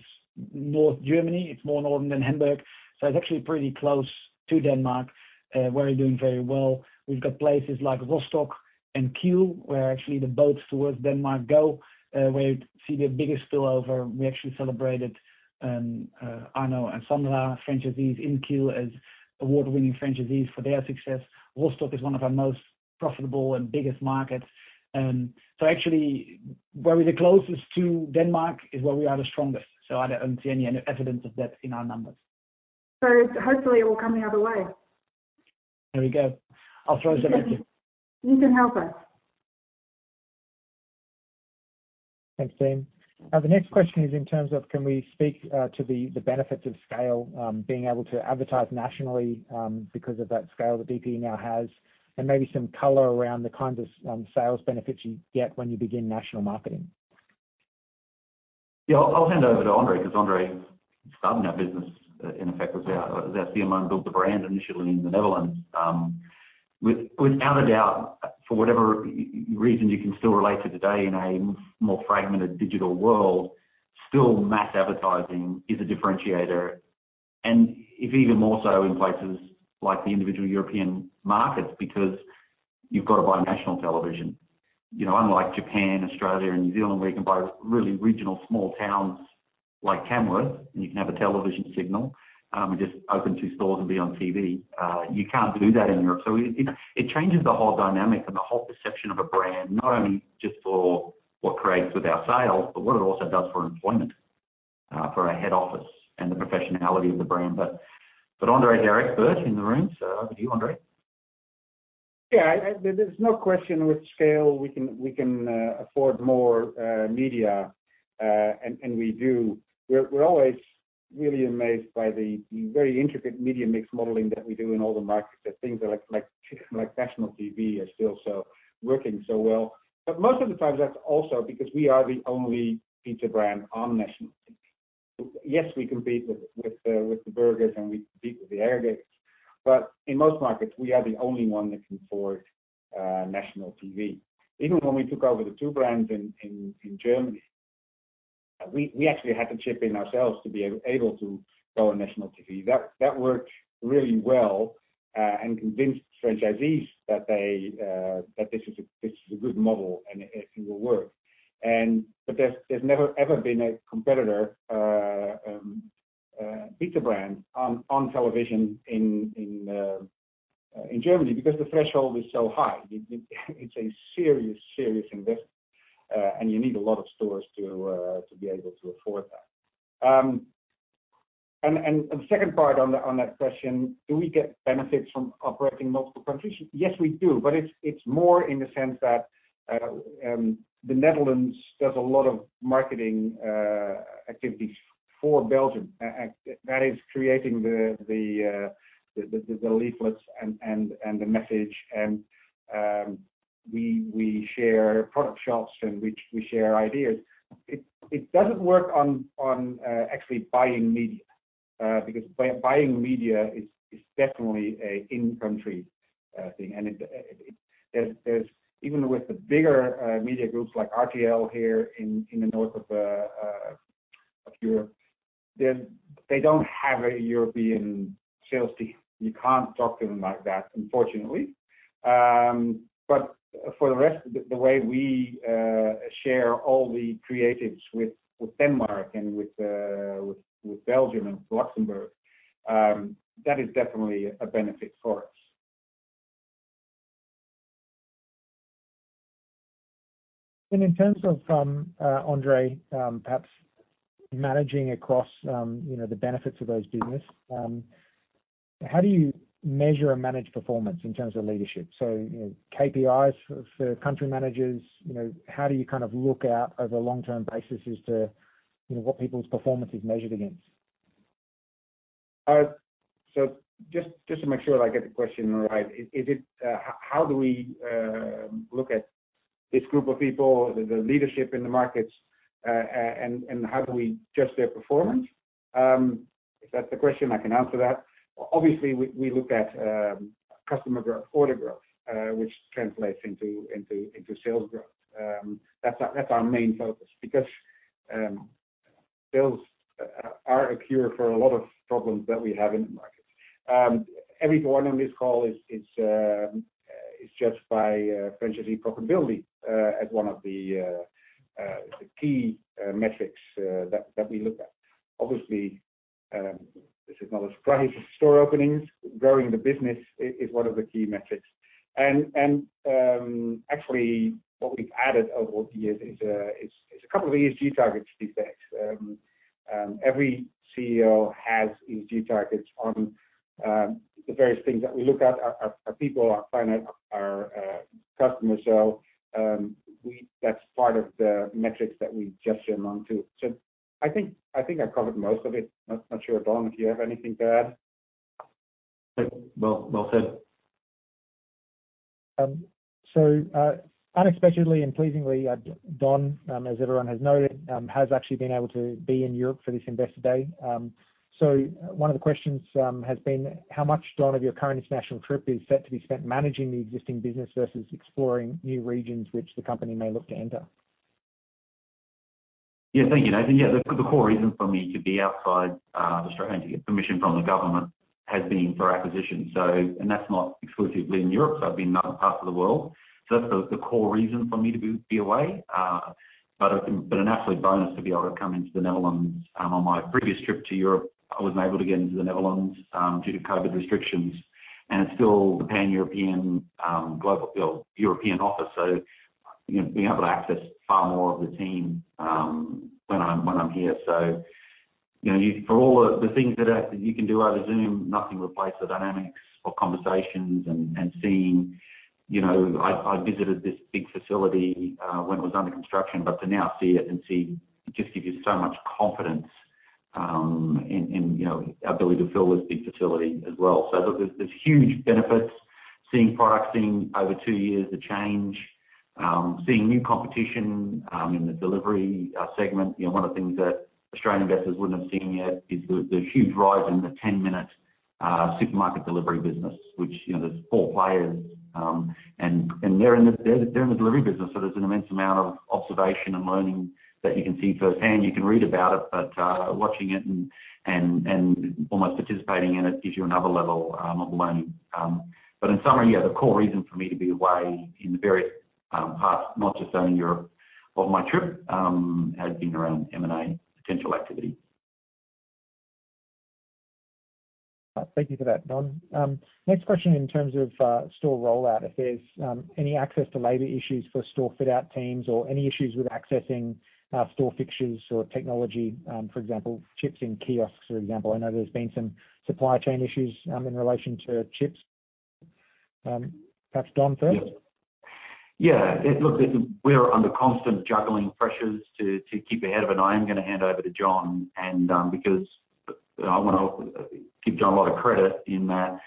in northern Germany. It's more northern than Hamburg. So it's actually pretty close to Denmark where we're doing very well. We've got places like Rostock and Kiel where actually the boats towards Denmark go, where you see the biggest spillover. We actually celebrated Arno and Sandra, franchisees in Kiel, as award-winning franchisees for their success. Rostock is one of our most profitable and biggest markets. So actually, where we're the closest to Denmark is where we are the strongest. So I don't see any evidence of that in our numbers. So hopefully it will come the other way. There we go. I'll throw it over to you. You can help us. Thanks, James. The next question is in terms of can we speak to the benefits of scale, being able to advertise nationally because of that scale that DPE now has, and maybe some color around the kinds of sales benefits you get when you begin national marketing? Yeah, I'll hand over to Andre because Andre started our business in effect as our CMO and built the brand initially in the Netherlands. Without a doubt, for whatever reason you can still relate to today in a more fragmented digital world, still mass advertising is a differentiator. And if even more so in places like the individual European markets because you've got to buy national television. Unlike Japan, Australia, and New Zealand, where you can buy really regional small towns like Tamworth and you can have a television signal and just open two stores and be on TV, you can't do that in Europe. So it changes the whole dynamic and the whole perception of a brand, not only just for what it creates with our sales, but what it also does for employment, for our head office and the professionality of the brand. But Andre's our expert in the room. So over to you, Andre. Yeah, there's no question with scale we can afford more media, and we do. We're always really amazed by the very intricate media mix modeling that we do in all the markets. Things like national TV are still working so well, but most of the time, that's also because we are the only pizza brand on national TV. Yes, we compete with the burgers and we compete with the aggregators, but in most markets, we are the only one that can afford national TV. Even when we took over the two brands in Germany, we actually had to chip in ourselves to be able to go on national TV. That worked really well and convinced franchisees that this is a good model and it will work, but there's never ever been a competitor pizza brand on television in Germany because the threshold is so high. It's a serious, serious investment. And you need a lot of stores to be able to afford that. And the second part on that question, do we get benefits from operating in multiple countries? Yes, we do. But it's more in the sense that the Netherlands does a lot of marketing activities for Belgium. That is creating the leaflets and the message. And we share product shops and we share ideas. It doesn't work on actually buying media because buying media is definitely an in-country thing. And even with the bigger media groups like RTL here in the north of Europe, they don't have a European sales team. You can't talk to them like that, unfortunately. But for the rest, the way we share all the creatives with Denmark and with Belgium and Luxembourg, that is definitely a benefit for us. And in terms of, Andre, perhaps managing across the benefits of those businesses, how do you measure and manage performance in terms of leadership? So KPIs for country managers, how do you kind of look out over a long-term basis as to what people's performance is measured against? So just to make sure I get the question right, how do we look at this group of people, the leadership in the markets, and how do we judge their performance? If that's the question, I can answer that. Obviously, we look at customer growth, order growth, which translates into sales growth. That's our main focus because sales are a cure for a lot of problems that we have in the market. Everyone on this call is judged by franchisee profitability as one of the key metrics that we look at. Obviously, this is not a surprise. Store openings, growing the business is one of the key metrics. And actually, what we've added over the years is a couple of ESG targets these days. Every CEO has ESG targets on the various things that we look at, our people, our climate, our customers. So that's part of the metrics that we judge them onto. So I think I covered most of it. Not sure, Don, if you have anything to add. Well said. So unexpectedly and pleasingly, Don, as everyone has noted, has actually been able to be in Europe for this Investor Day. So one of the questions has been, how much, Don, of your current international trip is set to be spent managing the existing business versus exploring new regions which the company may look to enter? Yeah, thank you, Nathan. Yeah, the core reason for me to be outside Australia and to get permission from the government has been for acquisitions. And that's not exclusively in Europe. So I've been in other parts of the world. So that's the core reason for me to be away. But it's been an absolute bonus to be able to come into the Netherlands. On my previous trip to Europe, I wasn't able to get into the Netherlands due to COVID restrictions. And it's still the pan-European office. So being able to access far more of the team when I'm here. So for all the things that you can do over Zoom, nothing replaces the dynamics of conversations and seeing. I visited this big facility when it was under construction, but to now see it and see just gives you so much confidence in our ability to fill this big facility as well. So there's huge benefits seeing products, seeing over two years the change, seeing new competition in the delivery segment. One of the things that Australian investors wouldn't have seen yet is the huge rise in the 10-minute supermarket delivery business, which there's four players. And they're in the delivery business. So there's an immense amount of observation and learning that you can see firsthand. You can read about it, but watching it and almost participating in it gives you another level of learning. But in summary, yeah, the core reason for me to be away in the various parts, not just only Europe, of my trip has been around M&A potential activity. Thank you for that, Don. Next question in terms of store rollout, if there's any access to labor issues for store fit-out teams or any issues with accessing store fixtures or technology, for example, chips in kiosks, for example? I know there's been some supply chain issues in relation to chips. Perhaps Don first. Yeah. Look, we're under constant juggling pressures to keep ahead of it. I am going to hand over to John because I want to give John a lot of credit in that.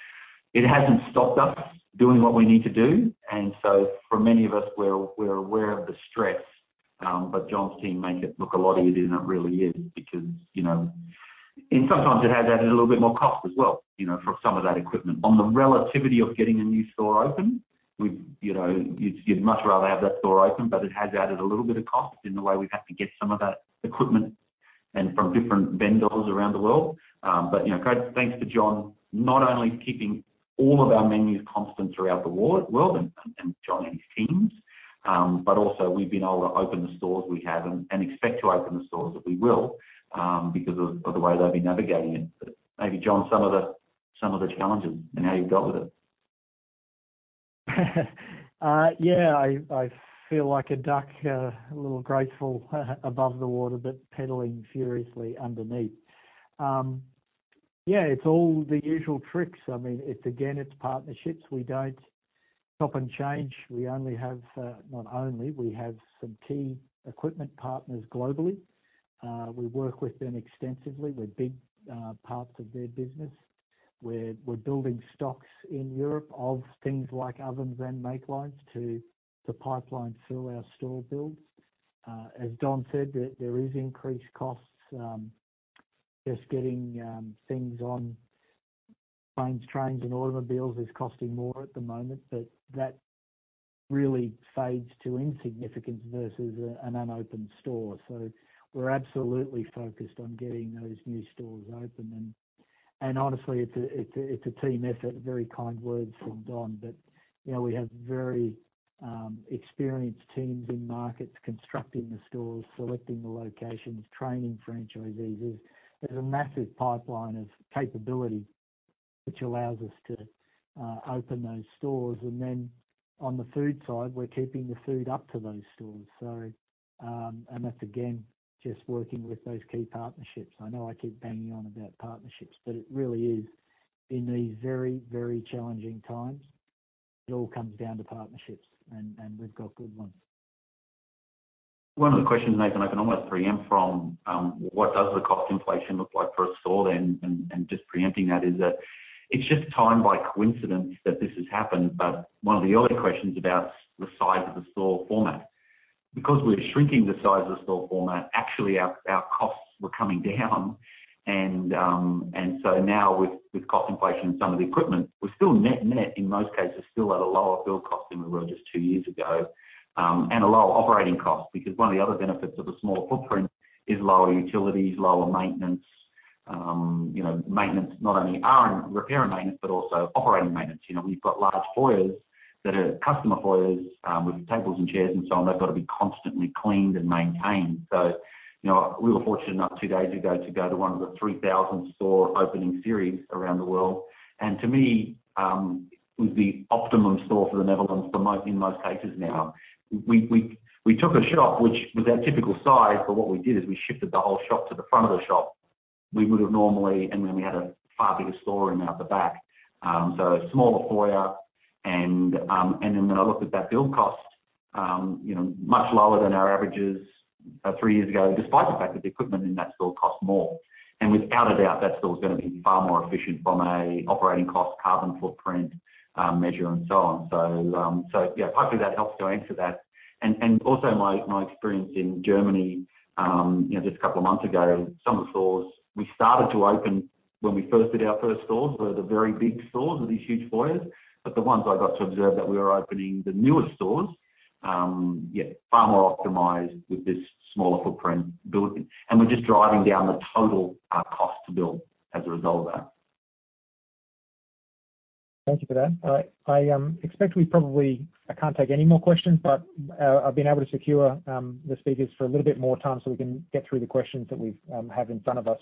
It hasn't stopped us doing what we need to do. And so for many of us, we're aware of the stress, but John's team makes it look a lot easier than it really is because sometimes it has added a little bit more cost as well for some of that equipment. On the relativity of getting a new store open, you'd much rather have that store open, but it has added a little bit of cost in the way we've had to get some of that equipment from different vendors around the world. But thanks to John, not only keeping all of our menus constant throughout the world and John and his teams, but also we've been able to open the stores we have and expect to open the stores if we will because of the way they'll be navigating it. Maybe, John, some of the challenges and how you've dealt with it. Yeah, I feel like a duck, a little graceful above the water but pedaling furiously underneath. Yeah, it's all the usual tricks. I mean, again, it's partnerships. We don't swap and change. We not only have some key equipment partners globally. We work with them extensively. We're big parts of their business. We're building stocks in Europe of things like ovens and makelines to pipeline through our store builds. As Don said, there are increased costs. Just getting things on planes, trains, and automobiles is costing more at the moment, but that really fades to insignificance versus an unopened store. So we're absolutely focused on getting those new stores open, and honestly, it's a team effort. Very kind words from Don, but we have very experienced teams in markets constructing the stores, selecting the locations, training franchisees. There's a massive pipeline of capability which allows us to open those stores. And then on the food side, we're keeping the food up to those stores. And that's again just working with those key partnerships. I know I keep banging on about partnerships, but it really is in these very, very challenging times, it all comes down to partnerships. And we've got good ones. One of the questions, Nathan, I can almost preempt from, what does the cost inflation look like for a store then? And just preempting that is that it's just time by coincidence that this has happened. But one of the early questions about the size of the store format, because we're shrinking the size of the store format, actually our costs were coming down. And so now with cost inflation and some of the equipment, we're still net net, in most cases, still at a lower build cost than we were just two years ago and a lower operating cost because one of the other benefits of a smaller footprint is lower utilities, lower maintenance, maintenance, not only repair and maintenance, but also operating maintenance. We've got large foyers that are customer foyers with tables and chairs and so on. They've got to be constantly cleaned and maintained. So we were fortunate enough two days ago to go to one of the 3,000 store opening series around the world. And to me, it was the optimum store for the Netherlands in most cases now. We took a shop which was our typical size, but what we did is we shifted the whole shop to the front of the shop we would have normally, and then we had a far bigger store room out the back. So smaller foyer. And then when I looked at that build cost, much lower than our averages three years ago, despite the fact that the equipment in that store cost more. And without a doubt, that store is going to be far more efficient from an operating cost, carbon footprint measure, and so on. So yeah, hopefully that helps to answer that. And also, my experience in Germany just a couple of months ago, some of the stores we started to open when we first did our first stores were the very big stores with these huge foyers. But the ones I got to observe that we were opening, the newer stores, yeah, far more optimized with this smaller footprint. And we're just driving down the total cost to build as a result of that. Thank you for that. I expect we probably can't take any more questions, but I've been able to secure the speakers for a little bit more time so we can get through the questions that we have in front of us.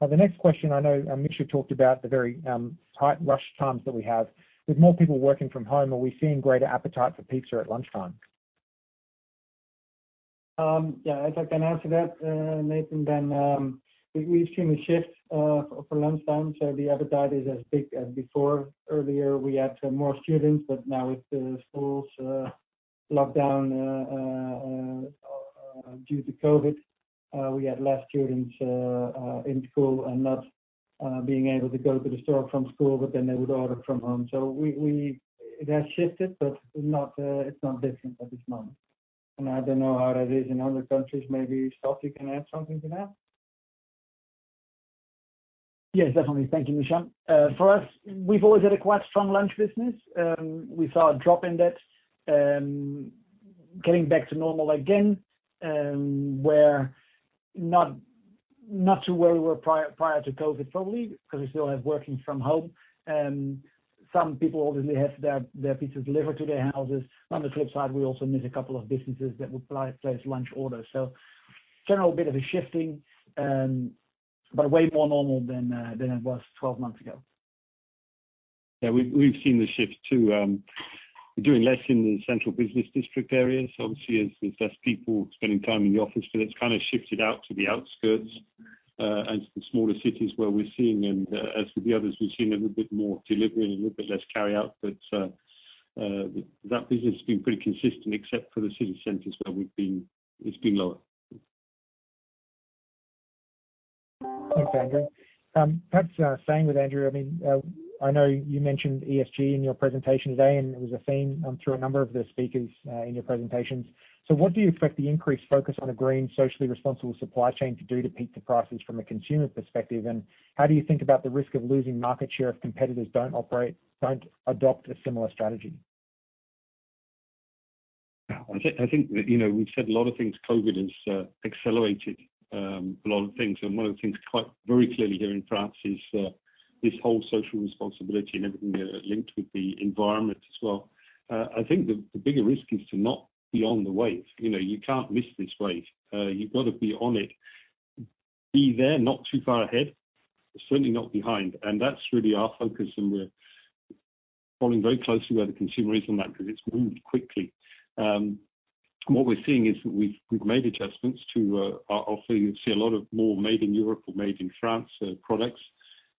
The next question, I know Mitch had talked about the very tight rush times that we have. With more people working from home, are we seeing greater appetite for pizza at lunchtime? Yeah, I think I can answer that, Nathan. We've seen a shift for lunchtime. So the appetite is as big as before. Earlier, we had more students, but now with the schools locked down due to COVID, we had less students in school and not being able to go to the store from school, but then they would order from home. So it has shifted, but it's not different at this moment. And I don't know how that is in other countries. Maybe Stoffel, you can add something to that? Yes, definitely. Thank you, Misja. For us, we've always had a quite strong lunch business. We saw a drop in that getting back to normal again, where not to where we were prior to COVID probably because we still have working from home. Some people obviously have their pizzas delivered to their houses. On the flip side, we also miss a couple of businesses that would place lunch orders. So general bit of a shifting, but way more normal than it was 12 months ago. Yeah, we've seen the shift too. We're doing less in the central business district areas. Obviously, there's less people spending time in the office, but it's kind of shifted out to the outskirts and to the smaller cities where we're seeing them. As with the others, we've seen a little bit more delivery and a little bit less carryout. But that business has been pretty consistent except for the city centers where it's been lower. Thanks, Andrew. Perhaps staying with Andrew. I mean, I know you mentioned ESG in your presentation today, and it was a theme through a number of the speakers in your presentations. So what do you expect the increased focus on a green, socially responsible supply chain to do to hike the prices from a consumer perspective? And how do you think about the risk of losing market share if competitors don't operate, don't adopt a similar strategy? I think we've said a lot of things. COVID has accelerated a lot of things, and one of the things very clearly here in France is this whole social responsibility and everything linked with the environment as well. I think the bigger risk is to not be on the wave. You can't miss this wave. You've got to be on it, be there, not too far ahead, certainly not behind. That's really our focus, and we're following very closely where the consumer is on that because it's moved quickly. What we're seeing is that we've made adjustments to our offering. You'll see a lot more made in Europe or made in France products.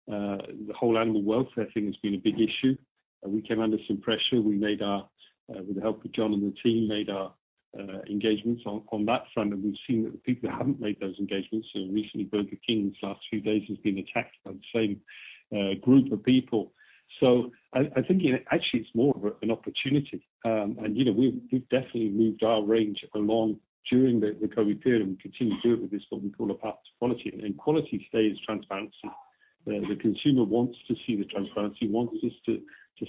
The whole animal welfare thing has been a big issue. We came under some pressure. With the help of John and the team, we made our engagements on that front. And we've seen that the people who haven't made those engagements recently, Burger King in these last few days, has been attacked by the same group of people. So I think actually it's more of an opportunity. And we've definitely moved our range along during the COVID period, and we continue to do it with this, what we call a path to quality. And quality stays transparency. The consumer wants to see the transparency, wants us to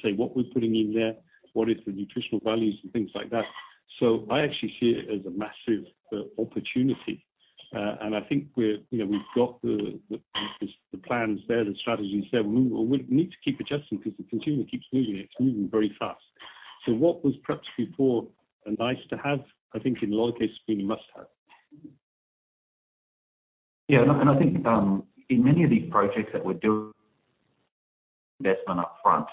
say what we're putting in there, what is the nutritional values, and things like that. So I actually see it as a massive opportunity. And I think we've got the plans there, the strategies there. We need to keep adjusting because the consumer keeps moving. It's moving very fast. So what was perhaps before a nice to have, I think in a lot of cases has been a must-have. Yeah. And I think in many of these projects that we're doing, investment upfront,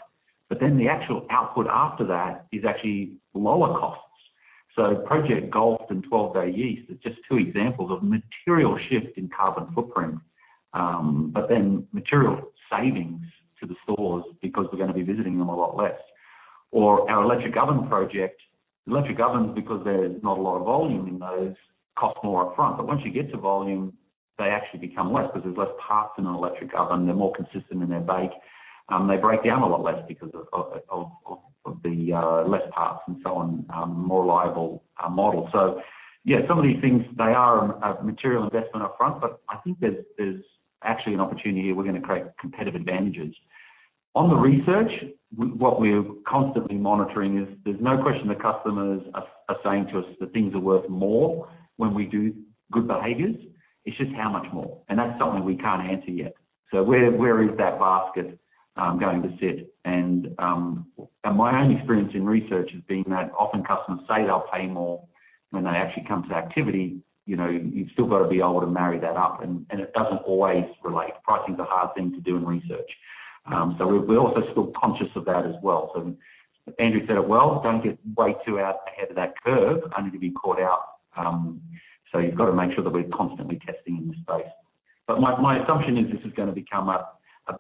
but then the actual output after that is actually lower costs. So Project Golf and 12-Day Yeast are just two examples of material shift in carbon footprint, but then material savings to the stores because we're going to be visiting them a lot less. Or our electric oven project, electric ovens because there's not a lot of volume in those cost more upfront. But once you get to volume, they actually become less because there's less parts in an electric oven. They're more consistent in their bake. They break down a lot less because of the less parts and so on, more reliable model. So yeah, some of these things, they are a material investment upfront, but I think there's actually an opportunity here. We're going to create competitive advantages. On the research, what we're constantly monitoring is there's no question the customers are saying to us that things are worth more when we do good behaviors. It's just how much more. And that's something we can't answer yet. So where is that basket going to sit? And my own experience in research has been that often customers say they'll pay more when they actually come to activity. You've still got to be able to marry that up. And it doesn't always relate. Pricing is a hard thing to do in research. So we're also still conscious of that as well. So Andrew said it well, don't get way too out ahead of that curve. I need to be caught out. So you've got to make sure that we're constantly testing in this space. But my assumption is this is going to become a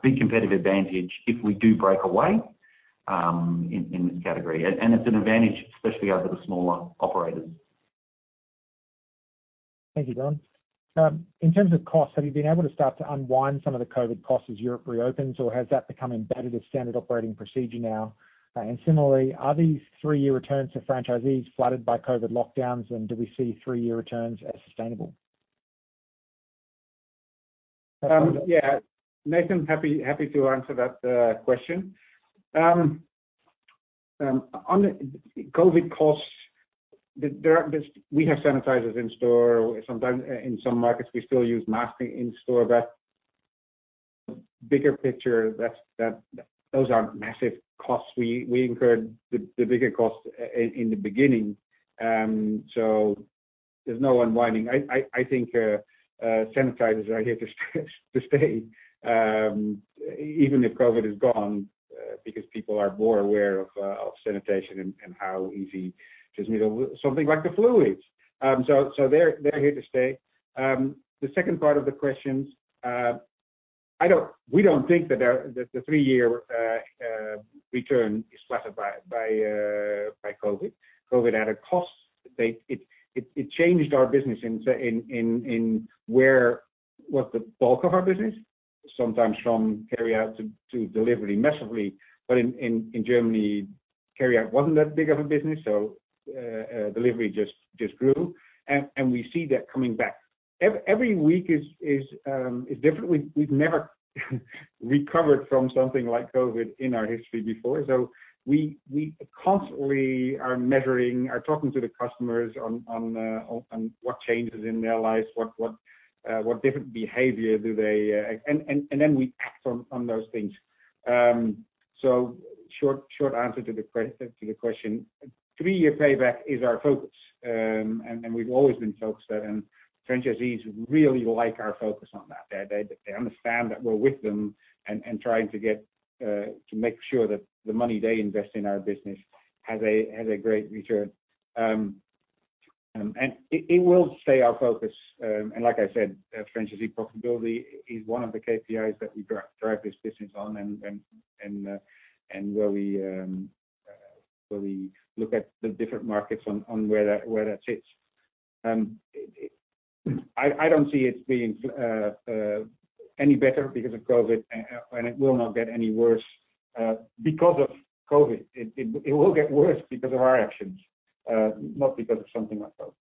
big competitive advantage if we do break away in this category. And it's an advantage, especially over the smaller operators. Thank you, Don. In terms of costs, have you been able to start to unwind some of the COVID costs as Europe reopens, or has that become embedded as standard operating procedure now? And similarly, are these three-year returns for franchisees flooded by COVID lockdowns, and do we see three-year returns as sustainable? Yeah. Nathan, happy to answer that question. On the COVID costs, we have sanitizers in store. In some markets, we still use masking in store. But the bigger picture, those aren't massive costs. We incurred the bigger costs in the beginning. So there's no unwinding. I think sanitizers are here to stay, even if COVID is gone because people are more aware of sanitation and how easy it is to something like the fluids. So they're here to stay. The second part of the questions, we don't think that the three-year return is flattened by COVID. COVID had a cost. It changed our business in what was the bulk of our business, sometimes from carryout to delivery massively. But in Germany, carryout wasn't that big of a business. So delivery just grew. And we see that coming back. Every week is different. We've never recovered from something like COVID in our history before, so we constantly are measuring, are talking to the customers on what changes in their lives, what different behavior do they have, and then we act on those things, so short answer to the question, three-year payback is our focus, and we've always been focused on that, and franchisees really like our focus on that. They understand that we're with them and trying to make sure that the money they invest in our business has a great return, and it will stay our focus, and like I said, franchisee profitability is one of the KPIs that we drive this business on and where we look at the different markets on where that sits. I don't see it being any better because of COVID, and it will not get any worse because of COVID. It will get worse because of our actions, not because of something like COVID.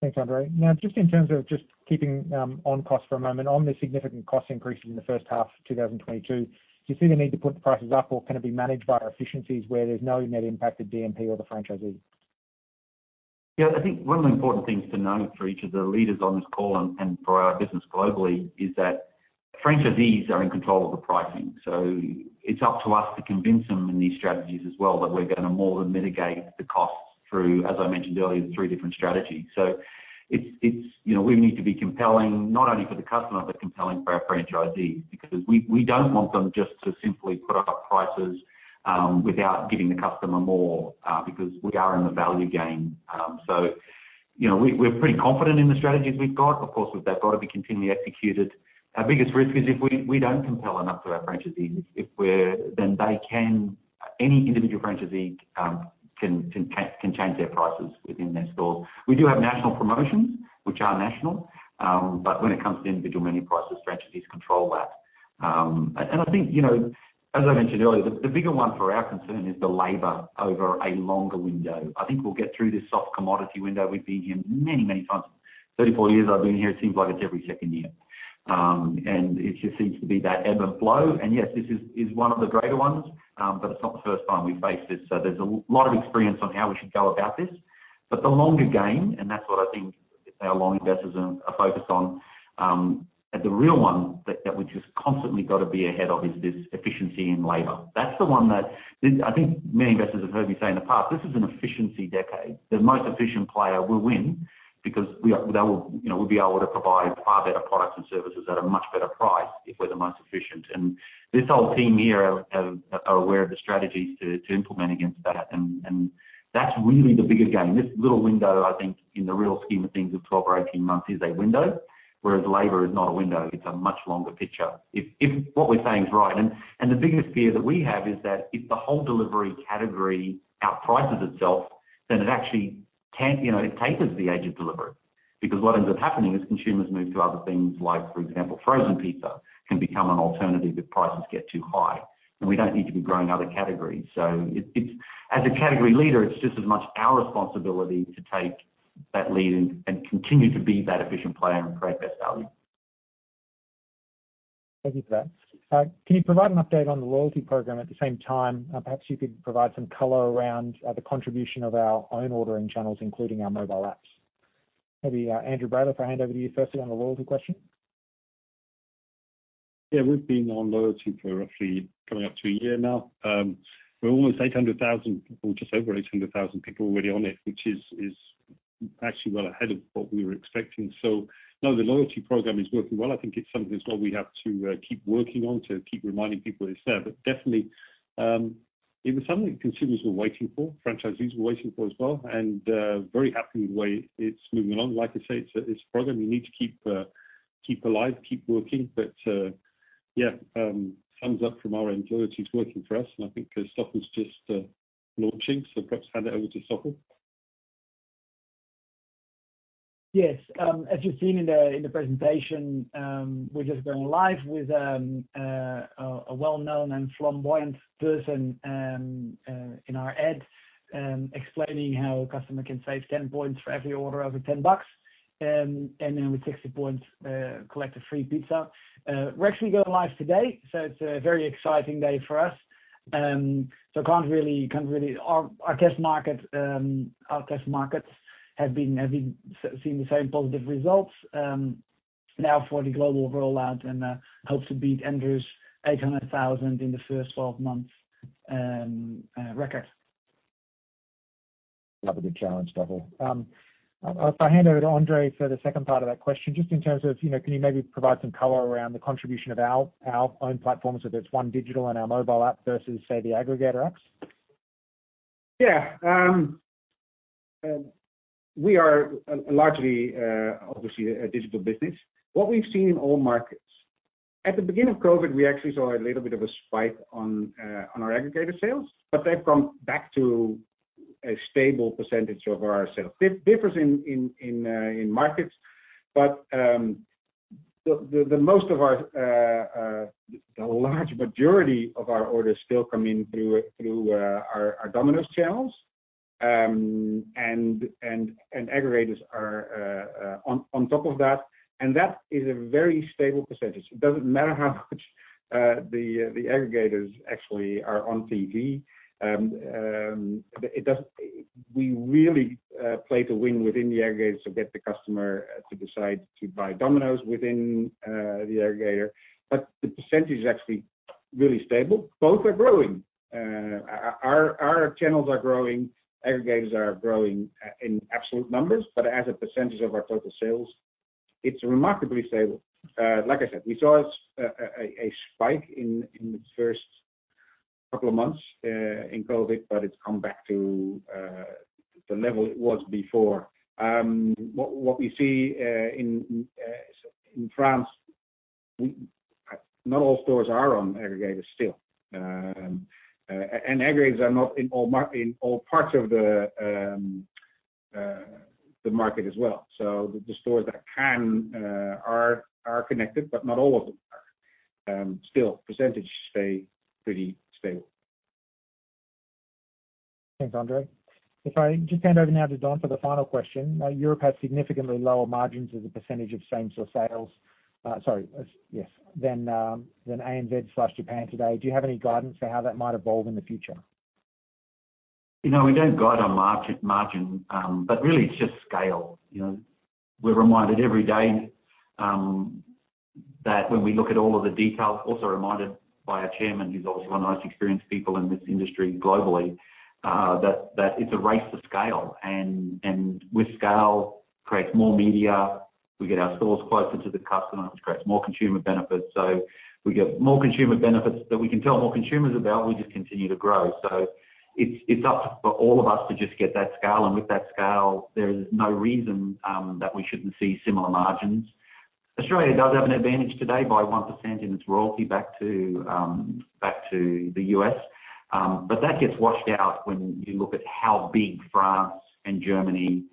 Thanks, Andrew. Now, just in terms of just keeping on cost for a moment, on the significant cost increases in the first half of 2022, do you see the need to put the prices up, or can it be managed by efficiencies where there's no net impact to DMP or the franchisee? Yeah. I think one of the important things to know for each of the leaders on this call and for our business globally is that franchisees are in control of the pricing. So it's up to us to convince them in these strategies as well that we're going to more than mitigate the costs through, as I mentioned earlier, the three different strategies. So we need to be compelling, not only for the customer, but compelling for our franchisees because we don't want them just to simply put up prices without giving the customer more because we are in the value game. So we're pretty confident in the strategies we've got. Of course, they've got to be continually executed. Our biggest risk is if we don't compel enough to our franchisees, then any individual franchisee can change their prices within their stores. We do have national promotions, which are national, but when it comes to individual menu prices, franchisees control that. And I think, as I mentioned earlier, the bigger one for our concern is the labor over a longer window. I think we'll get through this soft commodity window. We've been here many, many times. 34 years I've been here, it seems like it's every second year. And it just seems to be that ebb and flow. And yes, this is one of the greater ones, but it's not the first time we've faced this. So there's a lot of experience on how we should go about this. But the longer game, and that's what I think our long investors are focused on, the real one that we've just constantly got to be ahead of is this efficiency in labor. That's the one that I think many investors have heard me say in the past. This is an efficiency decade. The most efficient player will win because we'll be able to provide far better products and services at a much better price if we're the most efficient. And this whole team here are aware of the strategies to implement against that. And that's really the bigger game. This little window, I think, in the real scheme of things of 12 or 18 months is a window, whereas labor is not a window. It's a much longer picture if what we're saying is right. The biggest fear that we have is that if the whole delivery category outprices itself, then it actually tapers the age of delivery because what ends up happening is consumers move to other things like, for example, frozen pizza can become an alternative if prices get too high. We don't need to be growing other categories. As a category leader, it's just as much our responsibility to take that lead and continue to be that efficient player and create best value. Thank you for that. Can you provide an update on the loyalty program at the same time? Perhaps you could provide some color around the contribution of our own ordering channels, including our mobile apps. Maybe Andrew Bradley, if I hand over to you firstly on the loyalty question. Yeah. We've been on loyalty for roughly coming up to a year now. We're almost 800,000 people, just over 800,000 people already on it, which is actually well ahead of what we were expecting. So no, the loyalty program is working well. I think it's something as well we have to keep working on to keep reminding people it's there. But definitely, it was something consumers were waiting for. Franchisees were waiting for it as well. And very happy with the way it's moving along. Like I say, it's a program you need to keep alive, keep working. But yeah, thumbs up from our end. Loyalty is working for us. And I think Stoffel's just launching. So perhaps hand it over to Stoffel. Yes. As you've seen in the presentation, we're just going live with a well-known and flamboyant person in our ad explaining how a customer can save 10 points for every order over 10 bucks and then with 60 points collect a free pizza. We're actually going live today. So it's a very exciting day for us. So I can't really. Our test markets have been seeing the same positive results. Now for the global rollout and hope to beat Andrew's 800,000 in the first 12 months record. That's a good challenge, Stoffel. I'll hand over to Andre for the second part of that question. Just in terms of, can you maybe provide some color around the contribution of our own platforms, whether it's on digital and our mobile app versus, say, the aggregator apps? Yeah. We are largely, obviously, a digital business. What we've seen in all markets, at the beginning of COVID, we actually saw a little bit of a spike on our aggregator sales, but they've gone back to a stable percentage of our sales. It differs in markets, but the large majority of our orders still come in through our Domino's channels. And aggregators are on top of that. And that is a very stable percentage. It doesn't matter how much the aggregators actually are on TV. We really play to win within the aggregators to get the customer to decide to buy Domino's within the aggregator. But the percentage is actually really stable. Both are growing. Our channels are growing. Aggregators are growing in absolute numbers. But as a percentage of our total sales, it's remarkably stable. Like I said, we saw a spike in the first couple of months in COVID, but it's come back to the level it was before. What we see in France, not all stores are on aggregators still. And aggregators are not in all parts of the market as well. So the stores that can are connected, but not all of them are still. Percentages stay pretty stable. Thanks, Andre. If I just hand over now to Don for the final question. Europe has significantly lower margins as a percentage of same-store sales. Sorry. Yes. Than ANZ Japan today. Do you have any guidance for how that might evolve in the future? You know, we don't guide our margin, but really, it's just scale. We're reminded every day that when we look at all of the detail, also reminded by our chairman, who's also one of the most experienced people in this industry globally, that it's a race to scale. And with scale, it creates more media. We get our stores closer to the customer, which creates more consumer benefits. So we get more consumer benefits that we can tell more consumers about. We just continue to grow. So it's up to all of us to just get that scale. And with that scale, there is no reason that we shouldn't see similar margins. Australia does have an advantage today by 1% in its royalty back to the U.S. But that gets washed out when you look at how big France and Germany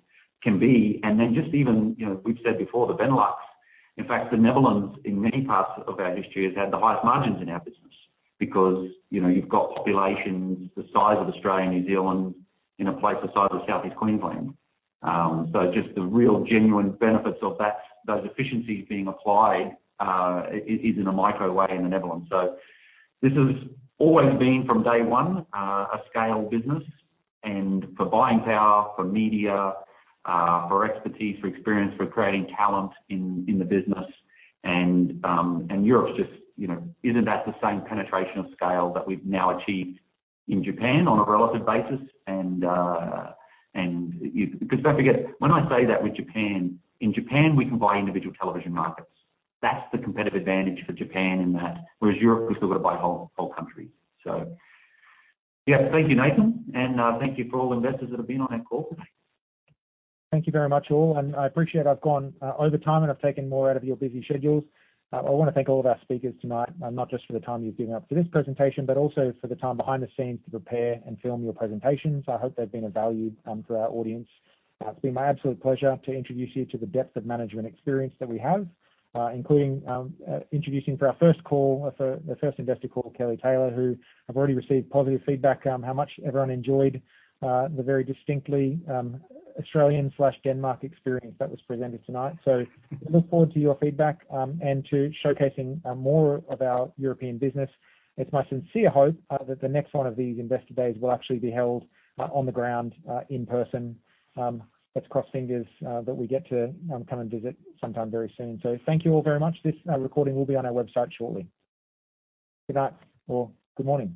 can be. And then just even, we've said before, the Benelux. In fact, the Netherlands, in many parts of our history, has had the highest margins in our business because you've got populations the size of Australia, New Zealand, in a place the size of Southeast Queensland. So just the real genuine benefits of those efficiencies being applied is in a micro way in the Netherlands. So this has always been, from day one, a scale business and for buying power, for media, for expertise, for experience, for creating talent in the business. And Europe's just, isn't that the same penetration of scale that we've now achieved in Japan on a relative basis? And because, don't forget, when I say that with Japan, in Japan, we can buy individual television markets. That's the competitive advantage for Japan in that, whereas Europe is still going to buy whole countries. So yeah, thank you, Nathan. Thank you for all investors that have been on our call today. Thank you very much, all. And I appreciate I've gone over time and I've taken more out of your busy schedules. I want to thank all of our speakers tonight, not just for the time you've given up for this presentation, but also for the time behind the scenes to prepare and film your presentations. I hope they've been of value to our audience. It's been my absolute pleasure to introduce you to the depth of management experience that we have, including introducing for our first investor call, Kellie Taylor, who I've already received positive feedback on how much everyone enjoyed the very distinctly Australian/Danish experience that was presented tonight. So we look forward to your feedback and to showcasing more of our European business. It's my sincere hope that the next one of these investor days will actually be held on the ground in person. Let's cross fingers that we get to come and visit sometime very soon. So thank you all very much. This recording will be on our website shortly. Good night or good morning.